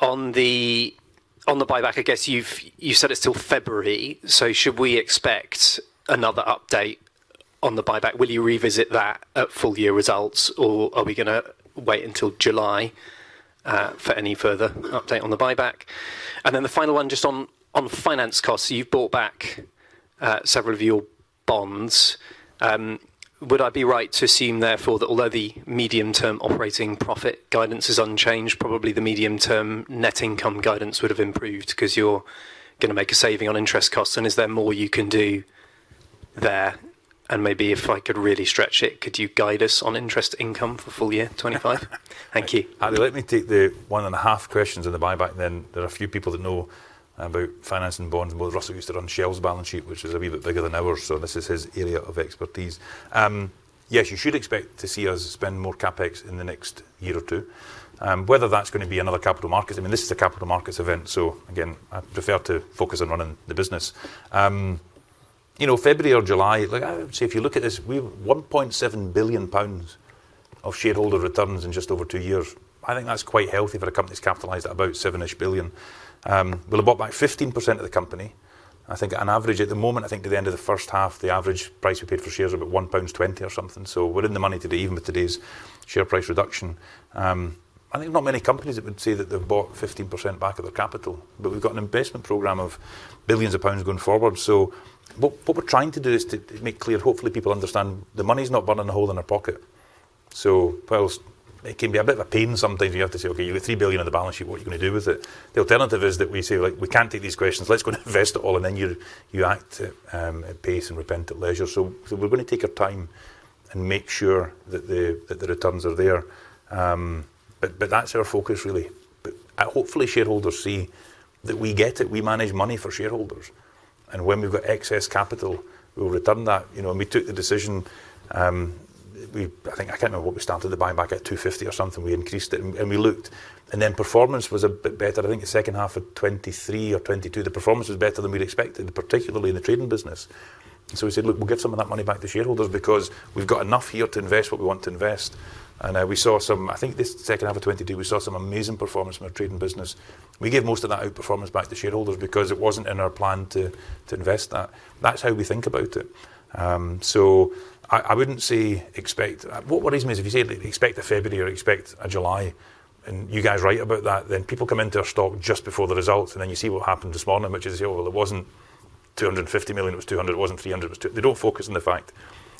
on the buyback, I guess you've said it's till February. Should we expect another update on the buyback? Will you revisit that at full year results, or are we going to wait until July for any further update on the buyback? And then the final one, just on finance costs, you've bought back several of your bonds. Would I be right to assume therefore that although the medium-term operating profit guidance is unchanged, probably the medium-term net income guidance would have improved because you're going to make a saving on interest costs? And is there more you can do there? And maybe if I could really stretch it, could you guide us on interest income for full year 2025? Thank you. Let me take the one and a half questions on the buyback. Then there are a few people that know about finance and bonds, but Russell used to run Shell's balance sheet, which is a wee bit bigger than ours. So this is his area of expertise. Yes, you should expect to see us spend more CapEx in the next year or two. Whether that's going to be another capital market, I mean, this is a capital markets event. So again, I prefer to focus on running the business. February or July, I would say if you look at this, we've 1.7 billion pounds of shareholder returns in just over 2 years. I think that's quite healthy for a company that's capitalized at about 7-ish billion GBP. We'll have bought back 15% of the company. I think on average, at the moment, I think at the end of the first half, the average price we paid for shares is about 1.20 pound or something. So we're in the money today, even with today's share price reduction. I think there's not many companies that would say that they've bought 15% back of their capital, but we've got an investment program of billions of GBP going forward. So what we're trying to do is to make clear, hopefully people understand the money's not burning a hole in their pocket. So while it can be a bit of a pain sometimes, you have to say, okay, you've got 3 billion on the balance sheet, what are you going to do with it? The alternative is that we say, look, we can't take these questions, let's go and invest it all, and then you act at pace and repentant leisure. So we're going to take our time and make sure that the returns are there. But that's our focus, really. But hopefully shareholders see that we get it, we manage money for shareholders. And when we've got excess capital, we'll return that. We took the decision, I think I can't remember what we started the buyback at 250 or something, we increased it and we looked. And then performance was a bit better. I think the second half of 2023 or 2022, the performance was better than we'd expected, particularly in the trading business. And so we said, look, we'll give some of that money back to shareholders because we've got enough here to invest what we want to invest. And we saw some, I think this second half of 2022, we saw some amazing performance in our trading business. We gave most of that outperformance back to shareholders because it wasn't in our plan to invest that. That's how we think about it. So I wouldn't say expect, what worries me is if you say expect a February or expect a July and you guys write about that, then people come into our stock just before the results and then you see what happened this morning, which is, well, it wasn't 250 million, it was 200 million, it wasn't 300 million, it was 200 million. They don't focus on the fact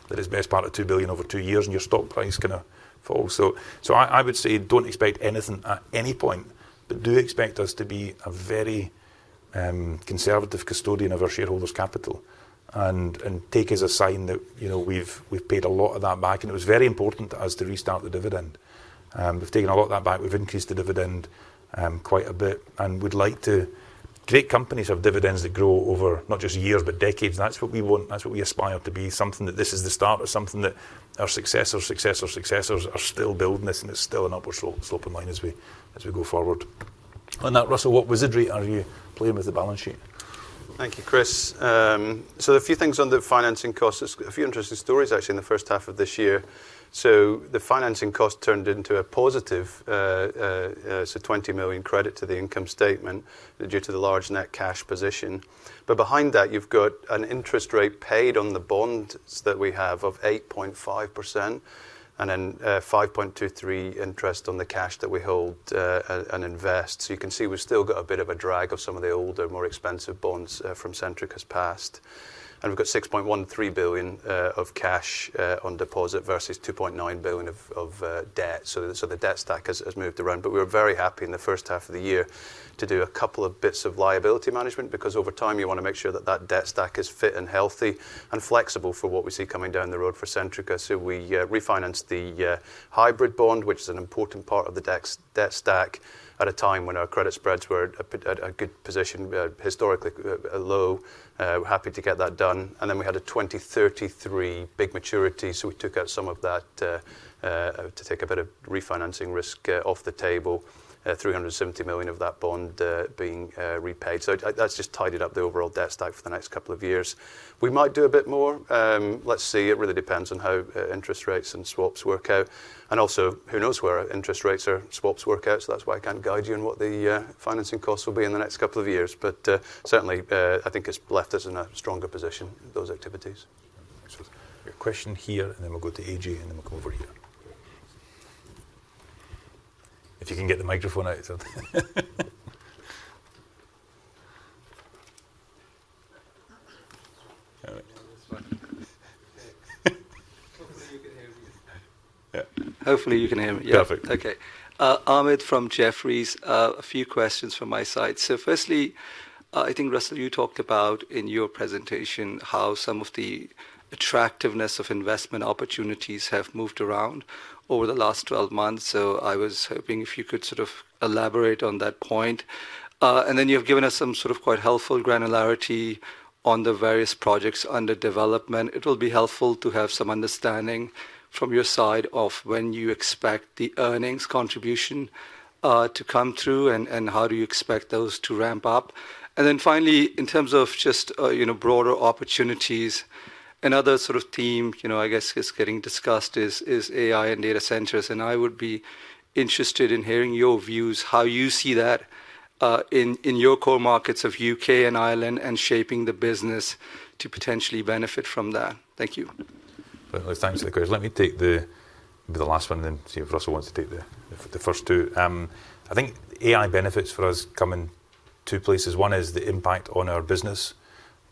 that it's the best part of 2 billion over 2 years and your stock price is going to fall. So I would say don't expect anything at any point, but do expect us to be a very conservative custodian of our shareholders' capital and take as a sign that we've paid a lot of that back. And it was very important to us to restart the dividend. We've taken a lot of that back. We've increased the dividend quite a bit. And we'd like to. Great companies have dividends that grow over not just years, but decades. That's what we want. That's what we aspire to be. Something that this is the start of something that our successors, successors, successors are still building this and it's still an upward sloping line as we go forward. On that, Russell, what wizardry are you playing with the balance sheet? Thank you, Chris. So a few things on the financing costs. A few interesting stories actually in the first half of this year. So the financing cost turned into a positive, so 20 million credit to the income statement due to the large net cash position. But behind that, you've got an interest rate paid on the bonds that we have of 8.5% and then 5.23% interest on the cash that we hold and invest. So you can see we've still got a bit of a drag of some of the older, more expensive bonds from Centrica's past. And we've got 6.13 billion of cash on deposit versus 2.9 billion of debt. So the debt stack has moved around. We were very happy in the first half of the year to do a couple of bits of liability management because over time you want to make sure that that debt stack is fit and healthy and flexible for what we see coming down the road for Centrica. So we refinanced the hybrid bond, which is an important part of the debt stack at a time when our credit spreads were at a good position, historically low. We're happy to get that done. And then we had a 2033 big maturity. So we took out some of that to take a bit of refinancing risk off the table, 370 million of that bond being repaid. So that's just tidied up the overall debt stack for the next couple of years. We might do a bit more. Let's see. It really depends on how interest rates and swaps work out. And also who knows where interest rates or swaps work out. So that's why I can't guide you on what the financing costs will be in the next couple of years. But certainly I think it's left us in a stronger position, those activities. Question here and then we'll go to AG and then we'll come over here. If you can get the microphone out. Hopefully you can hear me. Yeah. Perfect. Okay. Ahmed from Jefferies, a few questions from my side. So firstly, I think Russell, you talked about in your presentation how some of the attractiveness of investment opportunities have moved around over the last 12 months. So I was hoping if you could sort of elaborate on that point. And then you've given us some sort of quite helpful granularity on the various projects under development. It will be helpful to have some understanding from your side of when you expect the earnings contribution to come through and how do you expect those to ramp up. And then finally, in terms of just broader opportunities, another sort of theme I guess is getting discussed is AI and data centers. And I would be interested in hearing your views, how you see that in your core markets of U.K. and Ireland and shaping the business to potentially benefit from that. Thank you. Thanks for the question. Let me take the last one and then see if Russell wants to take the first two. I think AI benefits for us come in two places. One is the impact on our business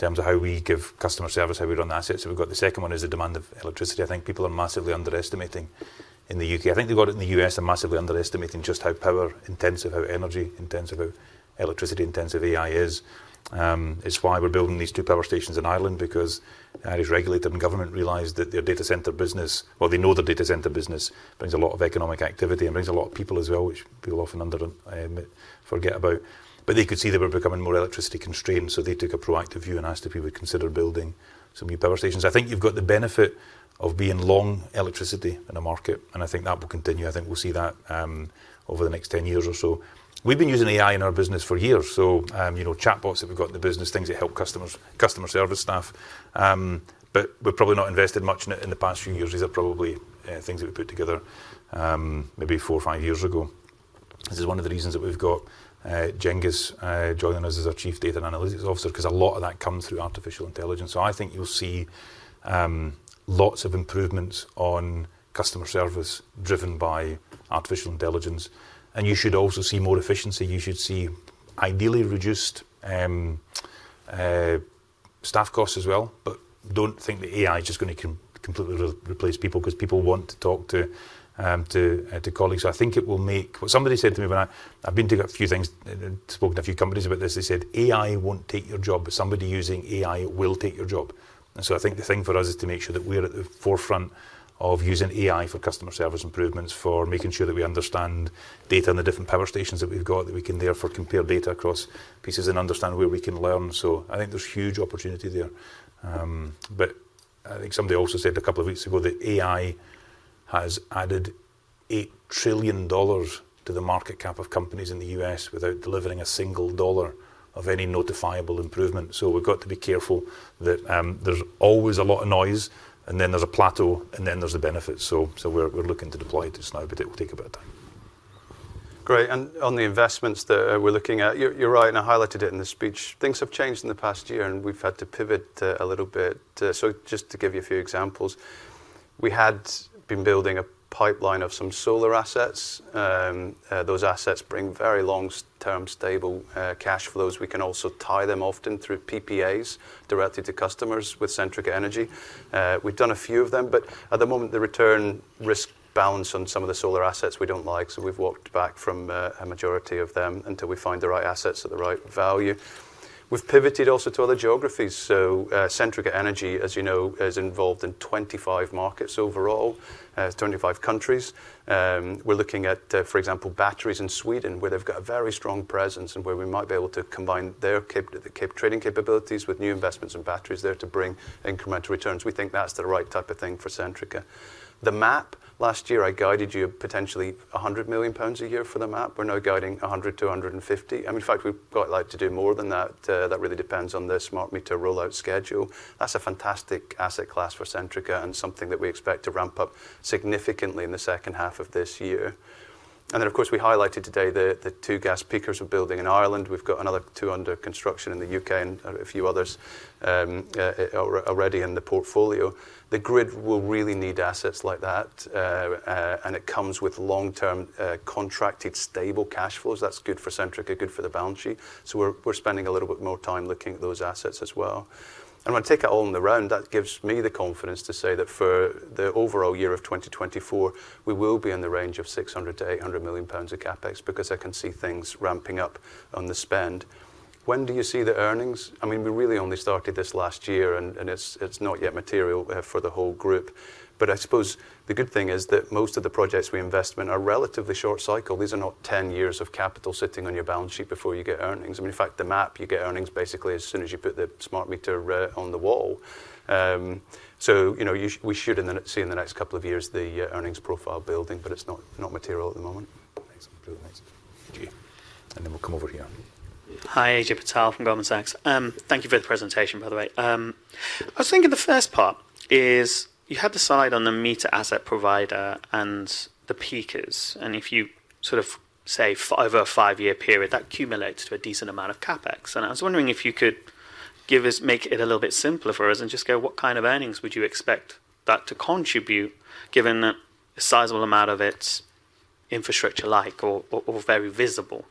in terms of how we give customer service, how we run the assets that we've got. The second one is the demand of electricity. I think people are massively underestimating in the U.K. I think they've got it in the U.S. and massively underestimating just how power intensive, how energy intensive, how electricity intensive AI is. It's why we're building these 2 power stations in Ireland because Irish regulator and government realized that their data center business, well, they know their data center business brings a lot of economic activity and brings a lot of people as well, which people often forget about. But they could see that we're becoming more electricity constrained. So they took a proactive view and asked if we would consider building some new power stations. I think you've got the benefit of being long electricity in a market, and I think that will continue. I think we'll see that over the next 10 years or so. We've been using AI in our business for years. So chatbots that we've got in the business, things that help customer service staff. But we've probably not invested much in it in the past few years. These are probably things that we put together maybe four or five years ago. This is one of the reasons that we've got Cengiz joining us as our Chief Data Analytics Officer, because a lot of that comes through artificial intelligence. So I think you'll see lots of improvements on customer service driven by artificial intelligence. And you should also see more efficiency. You should see ideally reduced staff costs as well. But don't think that AI is just going to completely replace people because people want to talk to colleagues. I think it will make what somebody said to me when I've been to a few things, spoken to a few companies about this. They said, "AI won't take your job, but somebody using AI will take your job." And so I think the thing for us is to make sure that we're at the forefront of using AI for customer service improvements, for making sure that we understand data on the different power stations that we've got, that we can therefore compare data across pieces and understand where we can learn. So I think there's huge opportunity there. But I think somebody also said a couple of weeks ago that AI has added $8 trillion to the market cap of companies in the U.S without delivering a single dollar of any notifiable improvement. So we've got to be careful that there's always a lot of noise, and then there's a plateau, and then there's the benefits. So we're looking to deploy it just now, but it will take a bit of time. Great. On the investments that we're looking at, you're right, and I highlighted it in the speech. Things have changed in the past year, and we've had to pivot a little bit. Just to give you a few examples, we had been building a pipeline of some solar assets. Those assets bring very long-term stable cash flows. We can also tie them often through PPAs directly to customers with Centrica Energy. We've done a few of them, but at the moment, the return risk balance on some of the solar assets we don't like. We've walked back from a majority of them until we find the right assets at the right value. We've pivoted also to other geographies. Centrica Energy, as you know, is involved in 25 markets overall, 25 countries. We're looking at, for example, batteries in Sweden where they've got a very strong presence and where we might be able to combine their trading capabilities with new investments in batteries there to bring incremental returns. We think that's the right type of thing for Centrica. The MAP last year, I guided you potentially 100 million pounds a year for the MAP. We're now guiding 100-150 million. I mean, in fact, we've quite liked to do more than that. That really depends on the smart meter rollout schedule. That's a fantastic asset class for Centrica and something that we expect to ramp up significantly in the second half of this year. And then, of course, we highlighted today the two gas peakers we're building in Ireland. We've got another two under construction in the U.K and a few others already in the portfolio. The grid will really need assets like that, and it comes with long-term contracted stable cash flows. That's good for Centrica, good for the balance sheet. So we're spending a little bit more time looking at those assets as well. When I take it all in the round, that gives me the confidence to say that for the overall year of 2024, we will be in the range of 600 million-800 million pounds of CapEx because I can see things ramping up on the spend. When do you see the earnings? I mean, we really only started this last year, and it's not yet material for the whole group. But I suppose the good thing is that most of the projects we invest in are relatively short cycle. These are not 10 years of capital sitting on your balance sheet before you get earnings. I mean, in fact, the MAP, you get earnings basically as soon as you put the smart meter on the wall. So we should see in the next couple of years the earnings profile building, but it's not material at the moment. Thanks. And then we'll come over here. Hi, Ajay Patel from Goldman Sachs. Thank you for the presentation, by the way. I was thinking the first part is you had the slide on the meter asset provider and the peakers. And if you sort of say over a five-year period, that accumulates to a decent amount of CapEx. And I was wondering if you could make it a little bit simpler for us and just go, what kind of earnings would you expect that to contribute given the sizable amount of its infrastructure-like or very visible?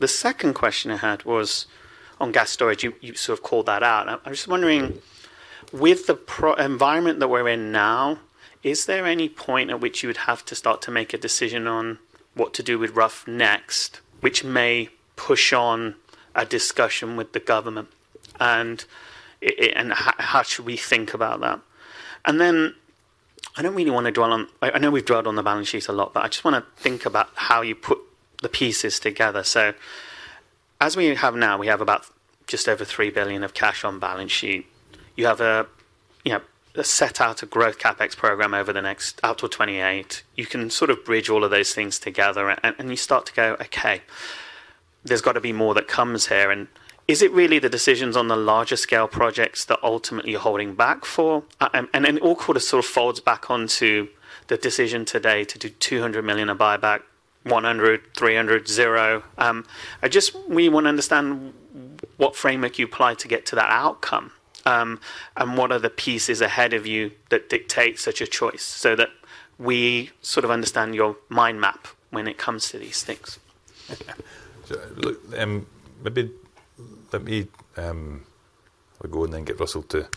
The second question I had was on gas storage. You sort of called that out. I'm just wondering, with the environment that we're in now, is there any point at which you would have to start to make a decision on what to do with Rough next, which may push on a discussion with the government? And how should we think about that? And then I don't really want to dwell on, I know we've dwelled on the balance sheet a lot, but I just want to think about how you put the pieces together. So as we have now, we have about just over 3 billion of cash on balance sheet. You have set out a growth CapEx program over the next out to 2028. You can sort of bridge all of those things together. And you start to go, okay, there's got to be more that comes here. Is it really the decisions on the larger scale projects that ultimately you're holding back for? It all sort of folds back onto the decision today to do 200 million of buyback, 100, 300, zero. I just really want to understand what framework you apply to get to that outcome and what are the pieces ahead of you that dictate such a choice so that we sort of understand your mind MAP when it comes to these things. Maybe let me go and then get Russell to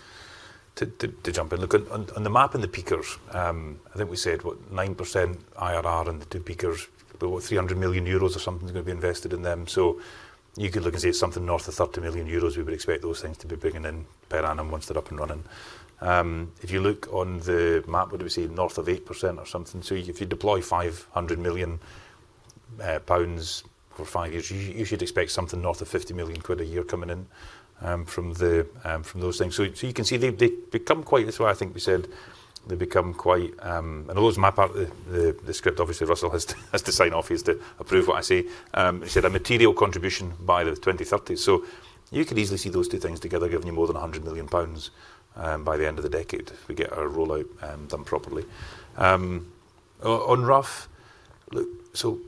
jump in. Look, on the MAP and the peakers, I think we said what, 9% IRR and the two peakers, but what, 300 million euros or something is going to be invested in them. So you could look and see it's something north of 30 million euros. We would expect those things to be bringing in per annum once they're up and running. If you look on the MAP, what do we see? North of 8% or something. So if you deploy 500 million pounds over five years, you should expect something north of 50 million quid a year coming in from those things. So you can see they become quite, that's why I think we said they become quite, and although it's my part of the script, obviously Russell has to sign off here to approve what I see. He said a material contribution by the 2030s. So you could easily see those two things together giving you more than 100 million pounds by the end of the decade if we get our rollout done properly. On Rough, look, so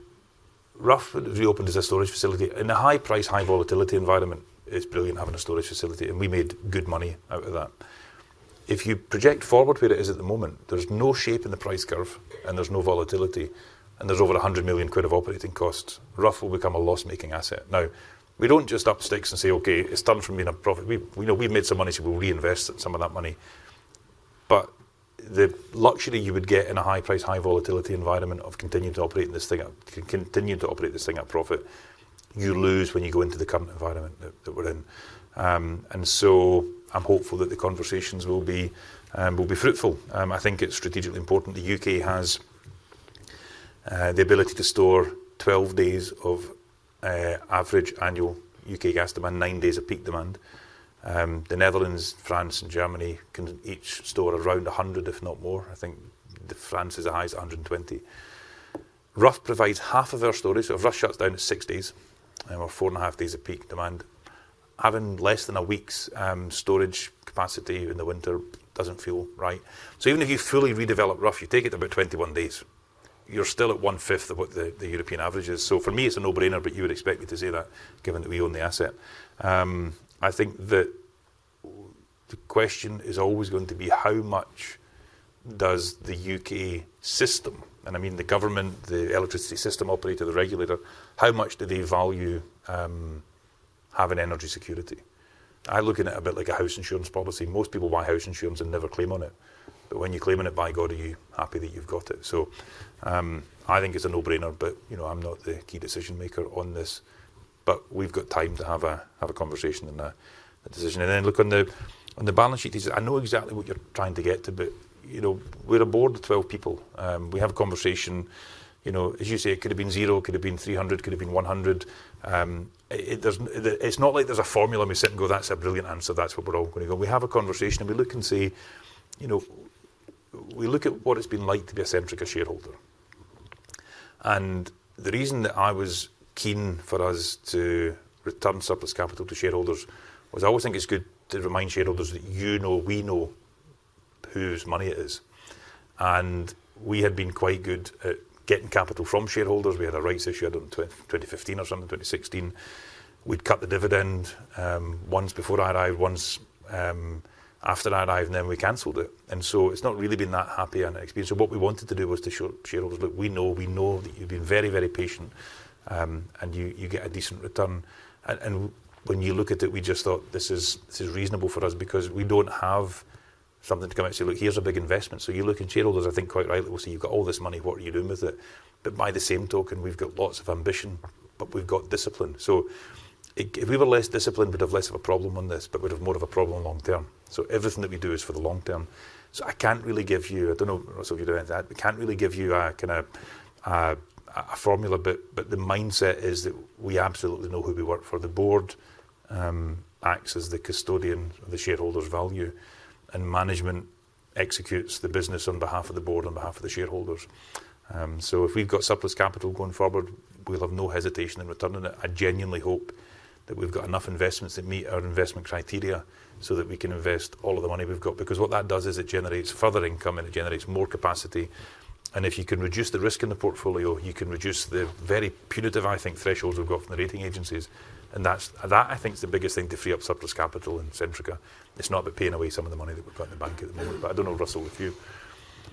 Rough reopened as a storage facility. In a high-price, high-volatility environment, it's brilliant having a storage facility, and we made good money out of that. If you project forward where it is at the moment, there's no shape in the price curve, and there's no volatility, and there's over 100 million quid of operating costs. Rough will become a loss-making asset. Now, we don't just upstick and say, okay, it's done for me in a profit. We've made some money, so we'll reinvest some of that money. But the luxury you would get in a high-price, high-volatility environment of continuing to operate in this thing, continuing to operate this thing at profit, you lose when you go into the current environment that we're in. And so I'm hopeful that the conversations will be fruitful. I think it's strategically important. The U.K has the ability to store 12 days of average annual UK gas demand, nine days of peak demand. The Netherlands, France, and Germany can each store around 100, if not more. I think France is the highest, 120. Rough provides half of our storage. So if Rough shuts down at six days or 4.5 days of peak demand, having less than a week's storage capacity in the winter doesn't feel right. So even if you fully redevelop Rough, you take it about 21 days, you're still at 1/5 of what the European average is. So for me, it's a no-brainer, but you would expect me to say that given that we own the asset. I think that the question is always going to be how much does the U.K. system, and I mean the government, the electricity system operator, the regulator, how much do they value having energy security? I look at it a bit like a house insurance policy. Most people buy house insurance and never claim on it. But when you claim on it, by God, are you happy that you've got it? So I think it's a no-brainer, but I'm not the key decision maker on this. But we've got time to have a conversation and a decision. And then look on the balance sheet issues. I know exactly what you're trying to get to, but we're a board of 12 people. We have a conversation. As you say, it could have been zero, could have been 300, could have been 100. It's not like there's a formula and we sit and go, that's a brilliant answer. That's what we're all going to go. We have a conversation and we look and see, we look at what it's been like to be a Centrica shareholder. The reason that I was keen for us to return surplus capital to shareholders was I always think it's good to remind shareholders that you know, we know whose money it is. We had been quite good at getting capital from shareholders. We had a rights issue in 2015 or something, 2016. We'd cut the dividend once before I arrived, once after I arrived, and then we canceled it. It's not really been that happy an experience. What we wanted to do was to show shareholders, look, we know that you've been very, very patient and you get a decent return. And when you look at it, we just thought this is reasonable for us because we don't have something to come out and say, look, here's a big investment. So you look at shareholders, I think quite rightly we'll see you've got all this money, what are you doing with it? But by the same token, we've got lots of ambition, but we've got discipline. So if we were less disciplined, we'd have less of a problem on this, but we'd have more of a problem long term. So everything that we do is for the long term. So I can't really give you, I don't know Russell, if you don't have that, we can't really give you a formula, but the mindset is that we absolutely know who we work for. The board acts as the custodian of the shareholders' value, and management executes the business on behalf of the board, on behalf of the shareholders. So if we've got surplus capital going forward, we'll have no hesitation in returning it. I genuinely hope that we've got enough investments that meet our investment criteria so that we can invest all of the money we've got. Because what that does is it generates further income and it generates more capacity. And if you can reduce the risk in the portfolio, you can reduce the very punitive, I think, thresholds we've got from the rating agencies. And that, I think, is the biggest thing to free up surplus capital in Centrica. It's not about paying away some of the money that we've got in the bank at the moment. But I don't know, Russell, with you.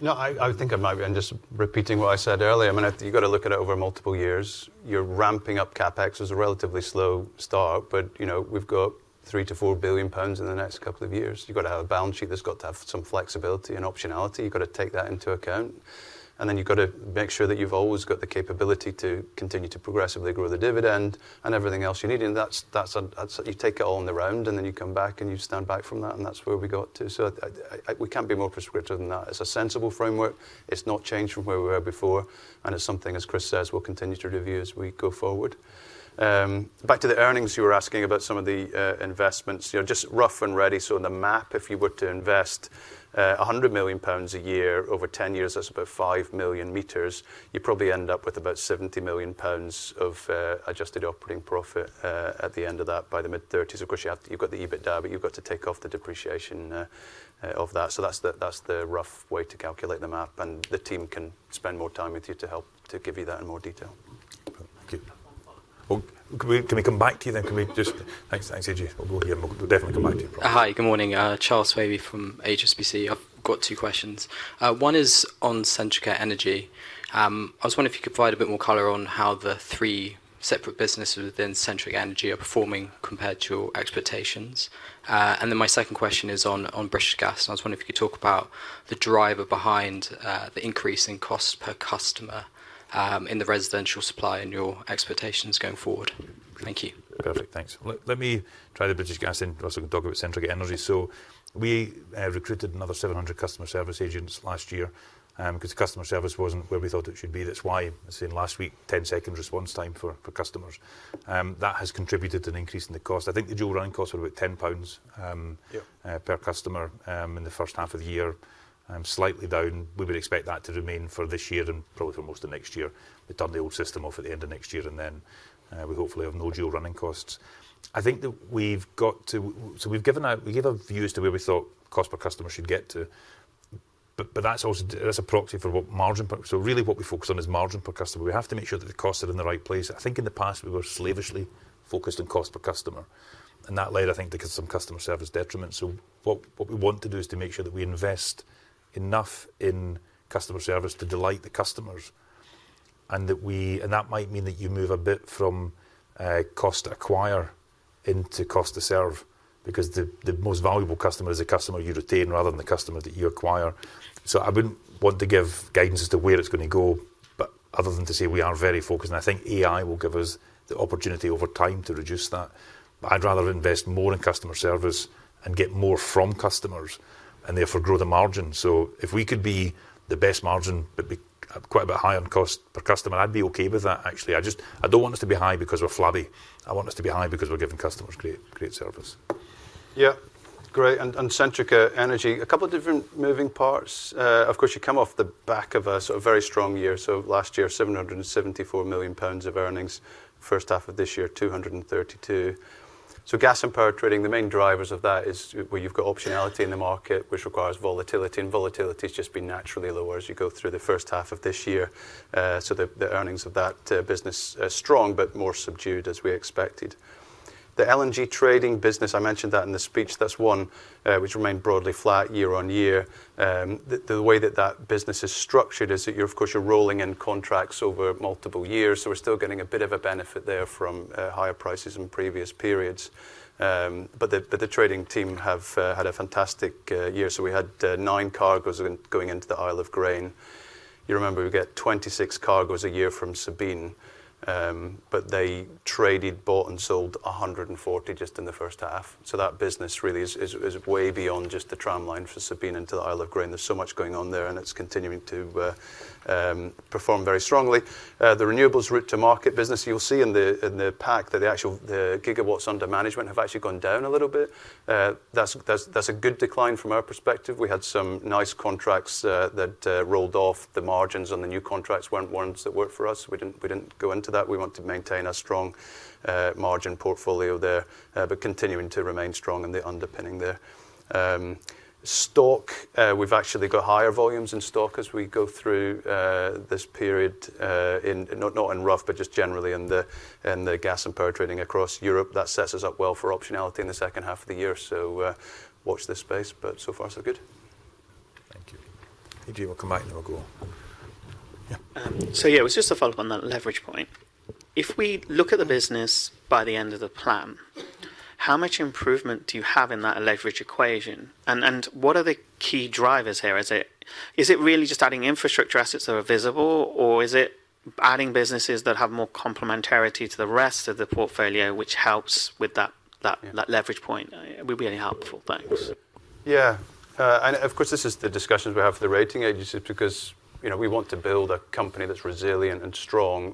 No, I think I might be just repeating what I said earlier. I mean, you've got to look at it over multiple years. You're ramping up CapEx as a relatively slow start, but we've got 3 billion-4 billion pounds in the next couple of years. You've got to have a balance sheet that's got to have some flexibility and optionality. You've got to take that into account. And then you've got to make sure that you've always got the capability to continue to progressively grow the dividend and everything else you need. And you take it all in the round, and then you come back and you stand back from that, and that's where we got to. So we can't be more prescriptive than that. It's a sensible framework. It's not changed from where we were before. It's something, as Chris says, we'll continue to review as we go forward. Back to the earnings, you were asking about some of the investments. Just rough and ready. So on the MAP, if you were to invest 100 million pounds a year over 10 years, that's about 5 million meters. You probably end up with about 70 million pounds of adjusted operating profit at the end of that by the mid-30s. Of course, you've got the EBITDA, but you've got to take off the depreciation of that. So that's the rough way to calculate the MAP. And the team can spend more time with you to help to give you that in more detail. Thank you. Can we come back to you then? Can we just, thanks, AJ. We'll go here. We'll definitely come back to you. Hi, good morning. Charles Swaby from HSBC. I've got two questions. One is on Centrica Energy. I was wondering if you could provide a bit more color on how the three separate businesses within Centrica Energy are performing compared to your expectations. And then my second question is on British Gas. I was wondering if you could talk about the driver behind the increase in cost per customer in the residential supply and your expectations going forward. Thank you. Perfect. Thanks. Let me try the British Gas and Russell can talk about Centrica Energy. So we recruited another 700 customer service agents last year because customer service wasn't where we thought it should be. That's why I've seen last week 10 seconds response time for customers. That has contributed to an increase in the cost. I think the dual running costs were about 10 pounds per customer in the first half of the year, slightly down. We would expect that to remain for this year and probably for most of next year. We've done the old system off at the end of next year, and then we hopefully have no dual running costs. I think that we've got to, so we've given our views to where we thought cost per customer should get to. But that's a proxy for what margin per, so really what we focus on is margin per customer. We have to make sure that the costs are in the right place. I think in the past we were slavishly focused on cost per customer. That led, I think, to some customer service detriment. What we want to do is to make sure that we invest enough in customer service to delight the customers. And that might mean that you move a bit from cost to acquire into cost to serve because the most valuable customer is a customer you retain rather than the customer that you acquire. So I wouldn't want to give guidance as to where it's going to go, but other than to say we are very focused. And I think AI will give us the opportunity over time to reduce that. But I'd rather invest more in customer service and get more from customers and therefore grow the margin. So if we could be the best margin, but be quite a bit high on cost per customer, I'd be okay with that, actually. I don't want us to be high because we're flabby. I want us to be high because we're giving customers great service. Yeah, great. And Centrica Energy, a couple of different moving parts. Of course, you come off the back of a sort of very strong year. Last year, 774 million pounds of earnings. First half of this year, 232. Gas and power trading, the main drivers of that is where you've got optionality in the market, which requires volatility. And volatility has just been naturally lower as you go through the first half of this year. So the earnings of that business are strong, but more subdued as we expected. The LNG trading business, I mentioned that in the speech, that's one which remained broadly flat year-over-year. The way that that business is structured is that you're, of course, rolling in contracts over multiple years. So we're still getting a bit of a benefit there from higher prices in previous periods. But the trading team have had a fantastic year. So we had nine cargoes going into the Isle of Grain. You remember we get 26 cargoes a year from Sabine, but they traded, bought and sold 140 just in the first half. So that business really is way beyond just the tram line for Sabine into the Isle of Grain. There's so much going on there and it's continuing to perform very strongly. The renewables route to market business, you'll see in the pack that the actual gigawatts under management have actually gone down a little bit. That's a good decline from our perspective. We had some nice contracts that rolled off the margins and the new contracts weren't ones that worked for us. We didn't go into that. We want to maintain a strong margin portfolio there, but continuing to remain strong in the underpinning there. Stock, we've actually got higher volumes in stock as we go through this period, not in Rough, but just generally in the gas and power trading across Europe. That sets us up well for optionality in the second half of the year. So watch this space, but so far so good. Thank you. AJ, we'll come back and we'll go. Yeah. So yeah, it was just a follow-up on that leverage point. If we look at the business by the end of the plan, how much improvement do you have in that leverage equation? And what are the key drivers here? Is it really just adding infrastructure assets that are visible, or is it adding businesses that have more complementarity to the rest of the portfolio, which helps with that leverage point? It would be really helpful. Thanks. Yeah. Of course, this is the discussions we have with the rating agencies because we want to build a company that's resilient and strong.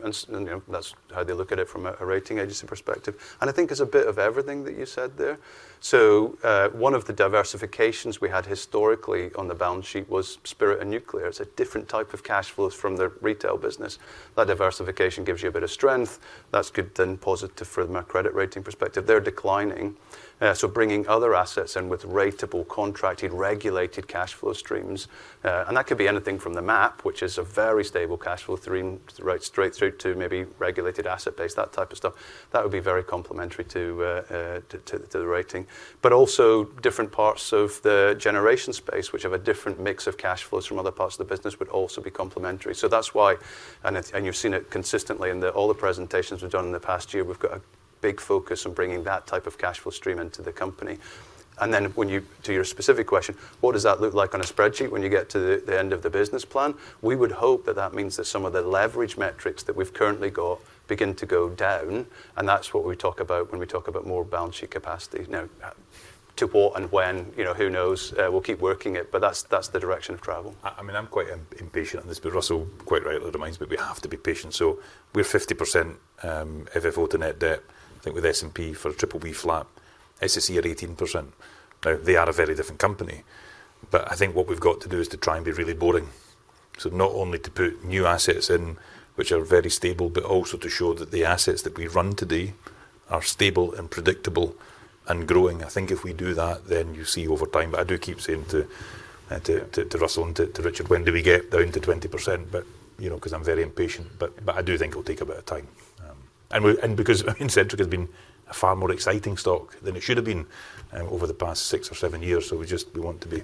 That's how they look at it from a rating agency perspective. I think it's a bit of everything that you said there. So one of the diversifications we had historically on the balance sheet was Spirit and nuclear. It's a different type of cash flows from the retail business. That diversification gives you a bit of strength. That's good, then positive from a credit rating perspective. They're declining. So bringing other assets in with ratable contracted, regulated cash flow streams. That could be anything from the MAP, which is a very stable cash flow stream, right straight through to maybe regulated asset base, that type of stuff. That would be very complementary to the rating. But also different parts of the generation space, which have a different mix of cash flows from other parts of the business, would also be complementary. So that's why, and you've seen it consistently in all the presentations we've done in the past year, we've got a big focus on bringing that type of cash flow stream into the company. And then to your specific question, what does that look like on a spreadsheet when you get to the end of the business plan? We would hope that that means that some of the leverage metrics that we've currently got begin to go down. And that's what we talk about when we talk about more balance sheet capacity. Now, to what and when, who knows? We'll keep working it, but that's the direction of travel. I mean, I'm quite impatient on this, but Russell quite rightly reminds me we have to be patient. So we're 50% FFO to net debt. I think with S&P for a BBB flat, SSE are 18%. Now, they are a very different company. But I think what we've got to do is to try and be really boring. So not only to put new assets in, which are very stable, but also to show that the assets that we run today are stable and predictable and growing. I think if we do that, then you see over time. But I do keep saying to Russell and to Richard, when do we get down to 20%? But because I'm very impatient, but I do think it'll take a bit of time. Because I mean, Centrica has been a far more exciting stock than it should have been over the past six or seven years. So we just, we want to be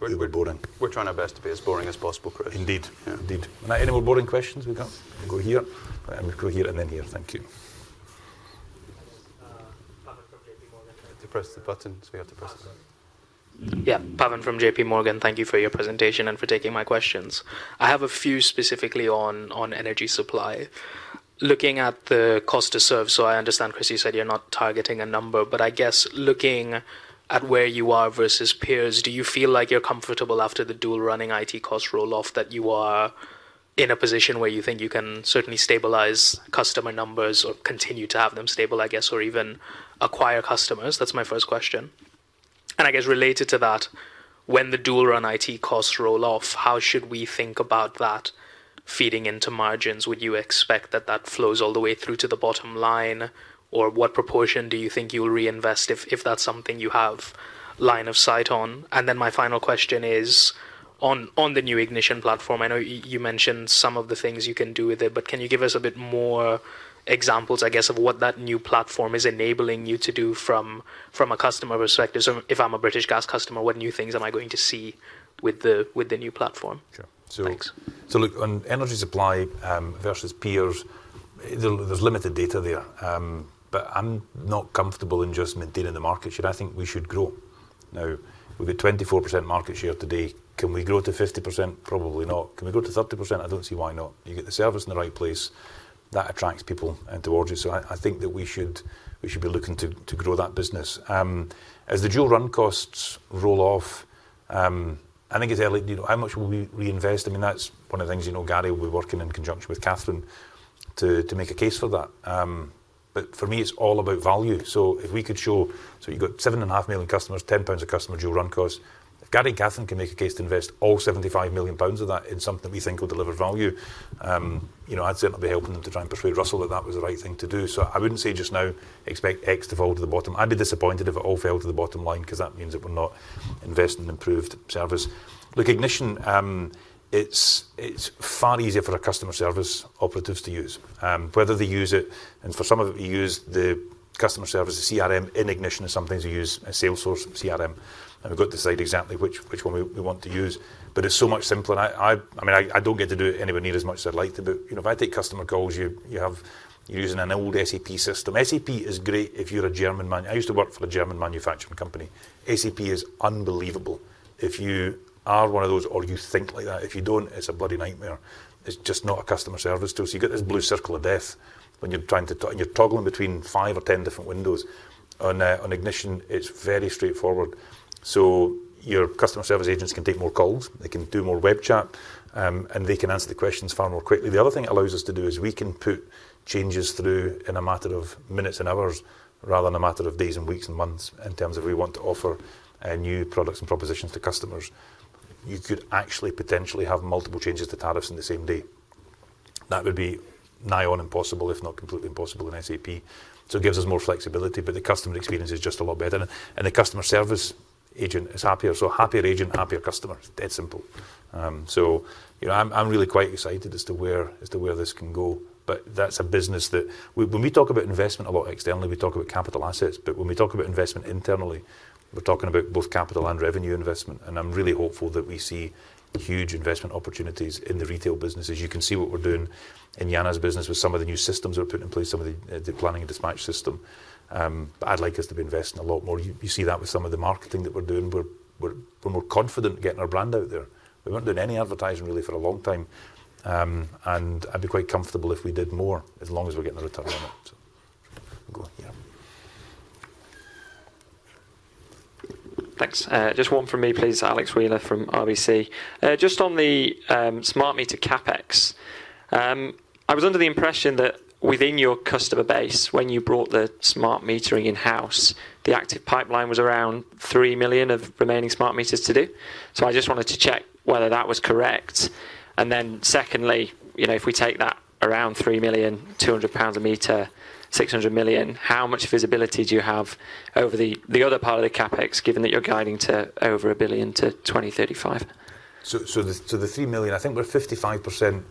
a little bit boring. We're trying our best to be as boring as possible, Chris. Indeed. Indeed. Any more boring questions we got? We'll go here. We'll go here and then here. Thank you. To press the button. So we have to press the button. Yeah. Pavan from JPMorgan. Thank you for your presentation and for taking my questions. I have a few specifically on energy supply. Looking at the cost to serve, so I understand Chris, you said you're not targeting a number, but I guess looking at where you are versus peers, do you feel like you're comfortable after the dual running IT cost roll-off that you are in a position where you think you can certainly stabilize customer numbers or continue to have them stable, I guess, or even acquire customers? That's my first question. And I guess related to that, when the dual run IT costs roll-off, how should we think about that feeding into margins? Would you expect that that flows all the way through to the bottom line? Or what proportion do you think you'll reinvest if that's something you have line of sight on? And then my final question is on the new Ignition platform. I know you mentioned some of the things you can do with it, but can you give us a bit more examples, I guess, of what that new platform is enabling you to do from a customer perspective? So if I'm a British Gas customer, what new things am I going to see with the new platform? Sure. So look, on energy supply versus peers, there's limited data there. But I'm not comfortable in just maintaining the market share. I think we should grow. Now, we've got 24% market share today. Can we grow to 50%? Probably not. Can we grow to 30%? I don't see why not. You get the service in the right place. That attracts people towards you. So I think that we should be looking to grow that business. As the dual run costs roll off, I think it's early. How much will we reinvest? I mean, that's one of the things Gary will be working in conjunction with Catherine to make a case for that. But for me, it's all about value. So if we could show, so you've got 7.5 million customers, 10 pounds a customer dual run cost. If Gary and Catherine can make a case to invest all 75 million pounds of that in something that we think will deliver value, I'd certainly be helping them to try and persuade Russell that that was the right thing to do. So I wouldn't say just now expect X to fall to the bottom. I'd be disappointed if it all fell to the bottom line because that means that we're not investing in improved service. Look, Ignition, it's far easier for our customer service operatives to use. Whether they use it, and for some of them, we use the customer service, the CRM in Ignition is something to use a Salesforce CRM. And we've got to decide exactly which one we want to use. But it's so much simpler. I mean, I don't get to do it anywhere near as much as I'd like to. But if I take customer calls, you're using an old SAP system. SAP is great if you're a German manufacturer. I used to work for a German manufacturing company. SAP is unbelievable. If you are one of those or you think like that, if you don't, it's a bloody nightmare. It's just not a customer service tool. So you've got this blue circle of death when you're trying to, and you're toggling between five or 10 different windows. On Ignition, it's very straightforward. So your customer service agents can take more calls. They can do more web chat, and they can answer the questions far more quickly. The other thing it allows us to do is we can put changes through in a matter of minutes and hours rather than a matter of days and weeks and months in terms of we want to offer new products and propositions to customers. You could actually potentially have multiple changes to tariffs in the same day. That would be nigh on impossible, if not completely impossible in SAP. So it gives us more flexibility, but the customer experience is just a lot better. And the customer service agent is happier. So happier agent, happier customer. It's dead simple. So I'm really quite excited as to where this can go. But that's a business that when we talk about investment a lot externally, we talk about capital assets. But when we talk about investment internally, we're talking about both capital and revenue investment. And I'm really hopeful that we see huge investment opportunities in the retail businesses. You can see what we're doing in Jana's business with some of the new systems we're putting in place, some of the planning and dispatch system. But I'd like us to be investing a lot more. You see that with some of the marketing that we're doing. We're more confident in getting our brand out there. We weren't doing any advertising really for a long time. And I'd be quite comfortable if we did more as long as we're getting a return on it. Thanks. Just one from me, please, Alex Wheeler from RBC. Just on the smart meter CapEx, I was under the impression that within your customer base, when you brought the smart metering in-house, the active pipeline was around 3 million of remaining smart meters to do. So I just wanted to check whether that was correct. And then secondly, if we take that around 3 million, 200 pounds a meter, 600 million, how much visibility do you have over the other part of the CapEx, given that you're guiding to over 1 billion to 2035? So the 3 million, I think we're 55%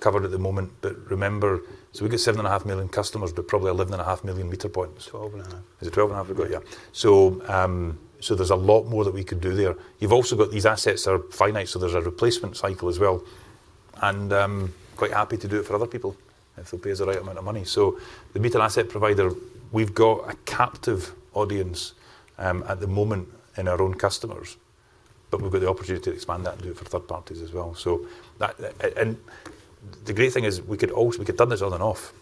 covered at the moment. But remember, so we've got 7.5 million customers, but probably 11.5 million meter points. 12.5. Is it 12.5 we've got? Yeah. So there's a lot more that we could do there. You've also got these assets that are finite, so there's a replacement cycle as well. And I'm quite happy to do it for other people if it pays the right amount of money. So the meter asset provider, we've got a captive audience at the moment in our own customers, but we've got the opportunity to expand that and do it for third parties as well. And the great thing is we could done this on and off.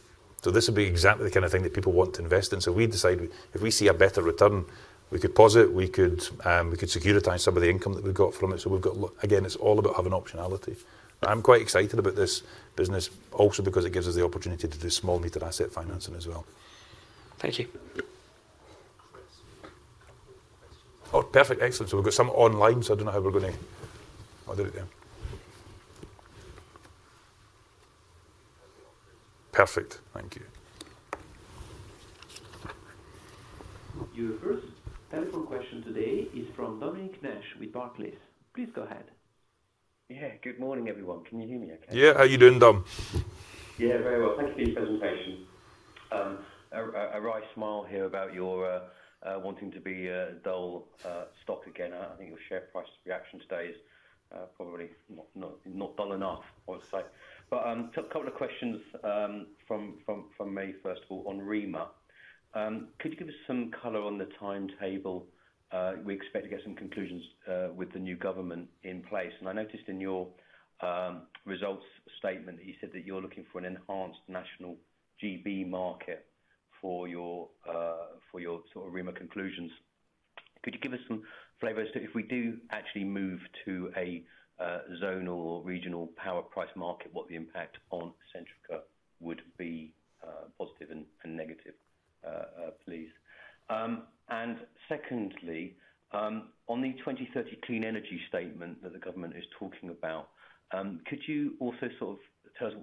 So this would be exactly the kind of thing that people want to invest in. So we decide if we see a better return, we could pause it. We could securitize some of the income that we've got from it. So we've got, again, it's all about having optionality. I'm quite excited about this business also because it gives us the opportunity to do smart meter asset provider financing as well. Thank you. Oh, perfect. Excellent. So we've got some online, so I don't know how we're going to do it now. Perfect. Thank you. Your first telephone question today is from Dominic Nash with Barclays. Please go ahead. Yeah. Good morning, everyone. Can you hear me okay? Yeah. How are you doing, Dom? Yeah, very well. Thank you for your presentation. A wry smile here about your wanting to be a dull stock again. I think your share price reaction today is probably not dull enough, I would say. But a couple of questions from me, first of all, on REMA. Could you give us some color on the timetable? We expect to get some conclusions with the new government in place. And I noticed in your results statement that you said that you're looking for an enhanced national GB market for your sort of REMA conclusions. Could you give us some flavors? If we do actually move to a zonal or regional power price market, what the impact on Centrica would be positive and negative, please. And secondly, on the 2030 clean energy statement that the government is talking about, could you also sort of tell us,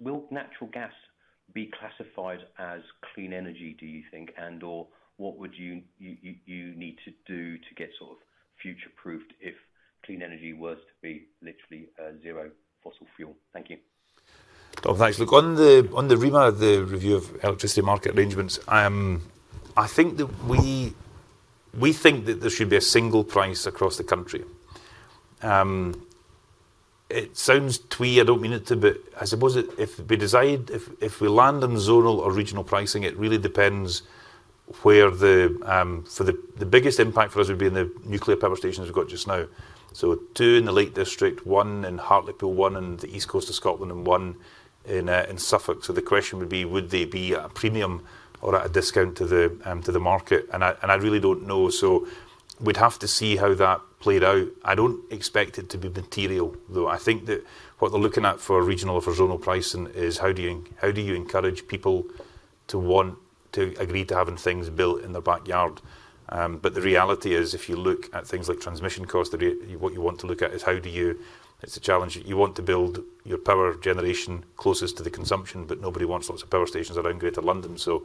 will natural gas be classified as clean energy, do you think? And/or what would you need to do to get sort of future-proofed if clean energy was to be literally zero fossil fuel? Thank you. Dom, thanks. Look, on the REMA, the review of electricity market arrangements, I think that we think that there should be a single price across the country. It sounds twee, I don't mean it to, but I suppose if we decide if we land on zonal or regional pricing, it really depends where the biggest impact for us would be in the nuclear power stations we've got just now. So two in the Lake District, one in Hartlepool, one in the east coast of Scotland, and one in Suffolk. So the question would be, would they be at a premium or at a discount to the market? And I really don't know. So we'd have to see how that played out. I don't expect it to be material, though. I think that what they're looking at for regional or for zonal pricing is how do you encourage people to want to agree to having things built in their backyard? But the reality is, if you look at things like transmission costs, what you want to look at is how do you. It's a challenge. You want to build your power generation closest to the consumption, but nobody wants lots of power stations around Greater London. So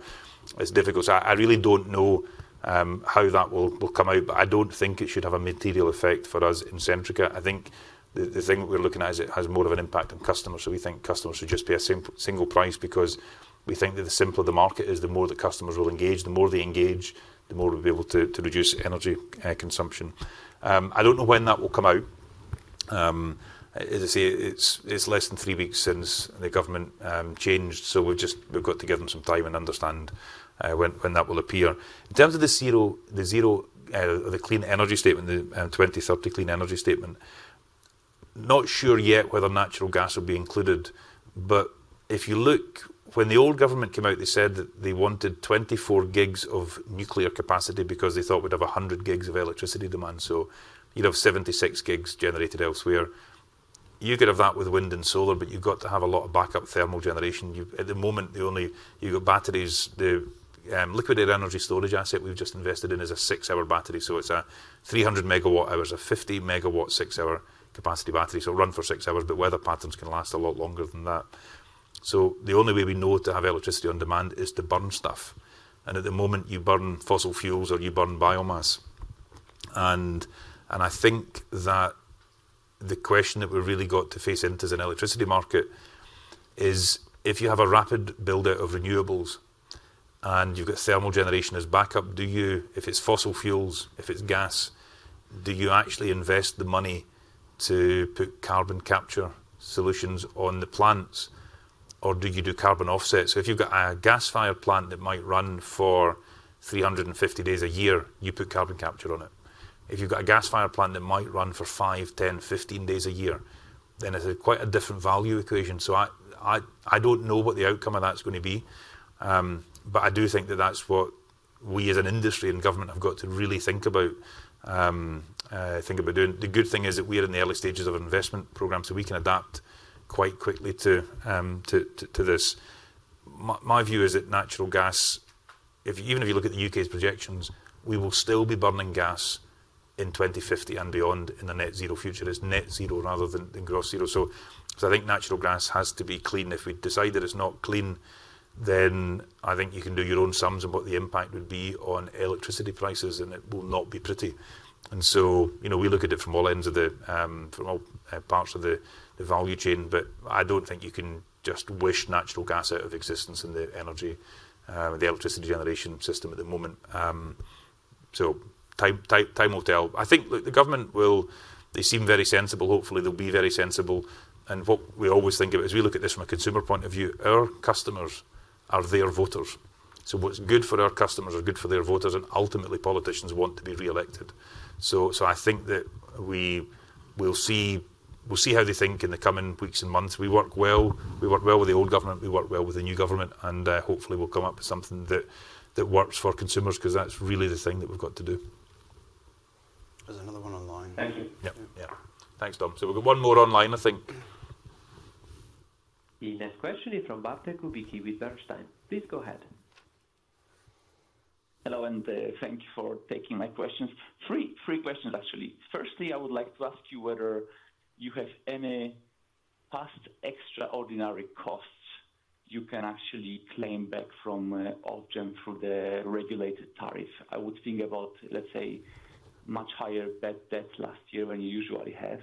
it's difficult. So I really don't know how that will come out, but I don't think it should have a material effect for us in Centrica. I think the thing that we're looking at is it has more of an impact on customers. So we think customers should just be a single price because we think that the simpler the market is, the more the customers will engage. The more they engage, the more we'll be able to reduce energy consumption. I don't know when that will come out. As I say, it's less than three weeks since the government changed. So we've got to give them some time and understand when that will appear. In terms of the zero or the clean energy statement, the 2030 clean energy statement, not sure yet whether natural gas will be included. But if you look, when the old government came out, they said that they wanted 24 GW of nuclear capacity because they thought we'd have 100 GW of electricity demand. So you'd have 76 GW generated elsewhere. You could have that with wind and solar, but you've got to have a lot of backup thermal generation. At the moment, you've got batteries. The liquid air energy storage asset we've just invested in is a 6-hour battery. So it's a 300 MWh, a 50 MW 6-hour capacity battery. So it'll run for six hours, but weather patterns can last a lot longer than that. So the only way we know to have electricity on demand is to burn stuff. And at the moment, you burn fossil fuels or you burn biomass. I think that the question that we've really got to face in the electricity market is if you have a rapid build-out of renewables and you've got thermal generation as backup, if it's fossil fuels, if it's gas, do you actually invest the money to put carbon capture solutions on the plants? Or do you do carbon offsets? So if you've got a gas-fired plant that might run for 350 days a year, you put carbon capture on it. If you've got a gas-fired plant that might run for five, 10, 15 days a year, then it's quite a different value equation. So I don't know what the outcome of that's going to be. But I do think that that's what we as an industry and government have got to really think about, think about doing. The good thing is that we're in the early stages of an investment program, so we can adapt quite quickly to this. My view is that natural gas, even if you look at the U.K's projections, we will still be burning gas in 2050 and beyond in the net zero future. It's net zero rather than gross zero. So I think natural gas has to be clean. If we decide that it's not clean, then I think you can do your own sums of what the impact would be on electricity prices, and it will not be pretty. And so we look at it from all ends of the, from all parts of the value chain. But I don't think you can just wish natural gas out of existence in the energy, the electricity generation system at the moment. So time will tell. I think the government will. They seem very sensible. Hopefully, they'll be very sensible. And what we always think of it as we look at this from a consumer point of view, our customers are their voters. So what's good for our customers is good for their voters. And ultimately, politicians want to be re-elected. So I think that we will see how they think in the coming weeks and months. We work well. We work well with the old government. We work well with the new government. And hopefully, we'll come up with something that works for consumers because that's really the thing that we've got to do. There's another one online. Thank you. Yeah. Thanks, Dom. So we've got one more online, I think. The next question is from Bartek Kubicki with BERNSTEIN. Please go ahead. Hello, and thank you for taking my questions. Three questions, actually. Firstly, I would like to ask you whether you have any past extraordinary costs you can actually claim back from Ofgem through the regulated tariff. I would think about, let's say, much higher bad debt last year than you usually have.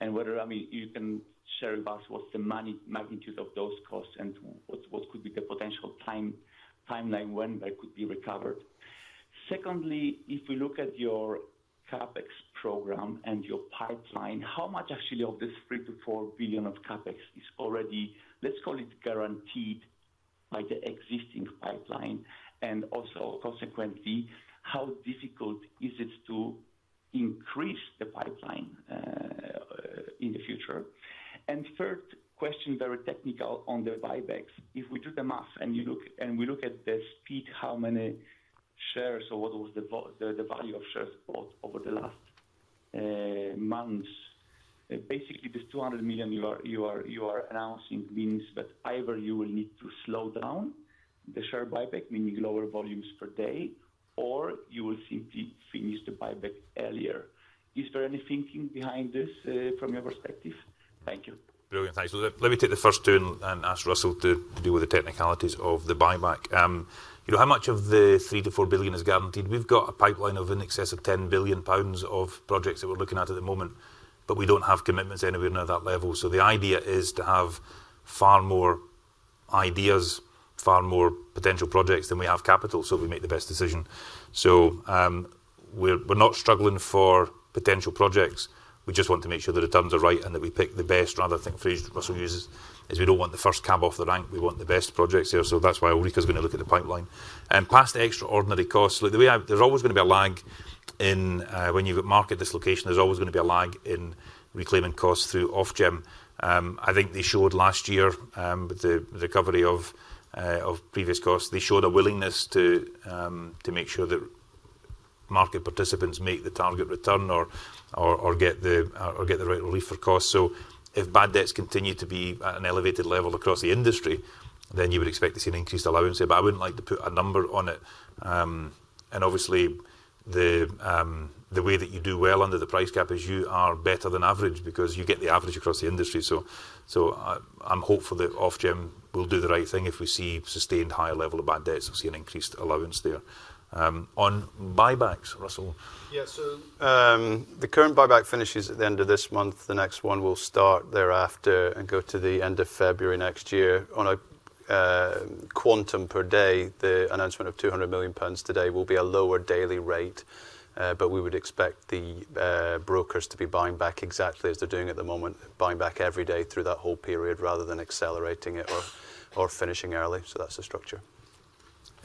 And whether, I mean, you can share with us what's the magnitude of those costs and what could be the potential timeline when that could be recovered. Secondly, if we look at your CapEx program and your pipeline, how much actually of this 3 billion-4 billion of CapEx is already, let's call it guaranteed by the existing pipeline? And also, consequently, how difficult is it to increase the pipeline in the future? And third question, very technical on the buybacks. If we do the math and we look at the speed, how many shares or what was the value of shares bought over the last months? Basically, the 200 million you are announcing means that either you will need to slow down the share buyback, meaning lower volumes per day, or you will simply finish the buyback earlier. Is there any thinking behind this from your perspective? Thank you. Let me take the first two and ask Russell to deal with the technicalities of the buyback. How much of the 3 billion-4 billion is guaranteed? We've got a pipeline of in excess of 10 billion pounds of projects that we're looking at at the moment, but we don't have commitments anywhere near that level. So the idea is to have far more ideas, far more potential projects than we have capital, so we make the best decision. So we're not struggling for potential projects. We just want to make sure the returns are right and that we pick the best, rather than think, phrase Russell uses, is we don't want the first cab off the rank. We want the best projects here. So that's why Ulrika is going to look at the pipeline. And past extraordinary costs, look, there's always going to be a lag in when you market dislocation. There's always going to be a lag in reclaiming costs through Ofgem. I think they showed last year with the recovery of previous costs. They showed a willingness to make sure that market participants make the target return or get the right relief for costs. So if bad debts continue to be at an elevated level across the industry, then you would expect to see an increased allowance. But I wouldn't like to put a number on it. And obviously, the way that you do well under the price cap is you are better than average because you get the average across the industry. So I'm hopeful that Ofgem will do the right thing. If we see sustained higher level of bad debts, we'll see an increased allowance there. On buybacks, Russell. Yeah. So the current buyback finishes at the end of this month. The next one will start thereafter and go to the end of February next year. On a quantum per day, the announcement of 200 million pounds today will be a lower daily rate. But we would expect the brokers to be buying back exactly as they're doing at the moment, buying back every day through that whole period rather than accelerating it or finishing early. So that's the structure.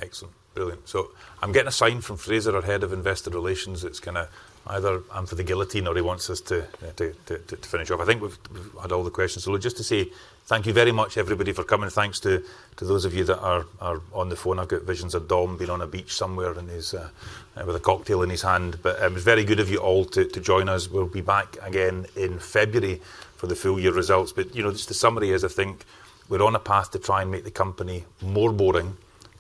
Excellent. Brilliant. So I'm getting a sign from Fraser, our Head of Investor Relations, that's going to either announce the guillotine or he wants us to finish off. I think we've had all the questions. So just to say thank you very much, everybody, for coming. Thanks to those of you that are on the phone. I've got visions of Dom being on a beach somewhere with a cocktail in his hand. But it was very good of you all to join us. We'll be back again in February for the full year results. Just the summary is, I think we're on a path to try and make the company more boring,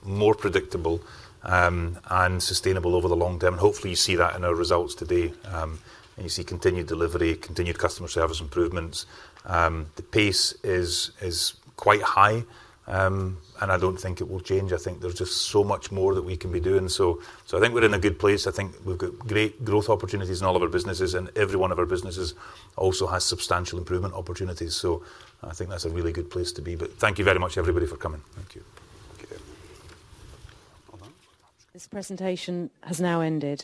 more predictable, and sustainable over the long term. Hopefully, you see that in our results today. You see continued delivery, continued customer service improvements. The pace is quite high, and I don't think it will change. I think there's just so much more that we can be doing. I think we're in a good place. I think we've got great growth opportunities in all of our businesses, and every one of our businesses also has substantial improvement opportunities. I think that's a really good place to be. But thank you very much, everybody, for coming. Thank you. This presentation has now ended.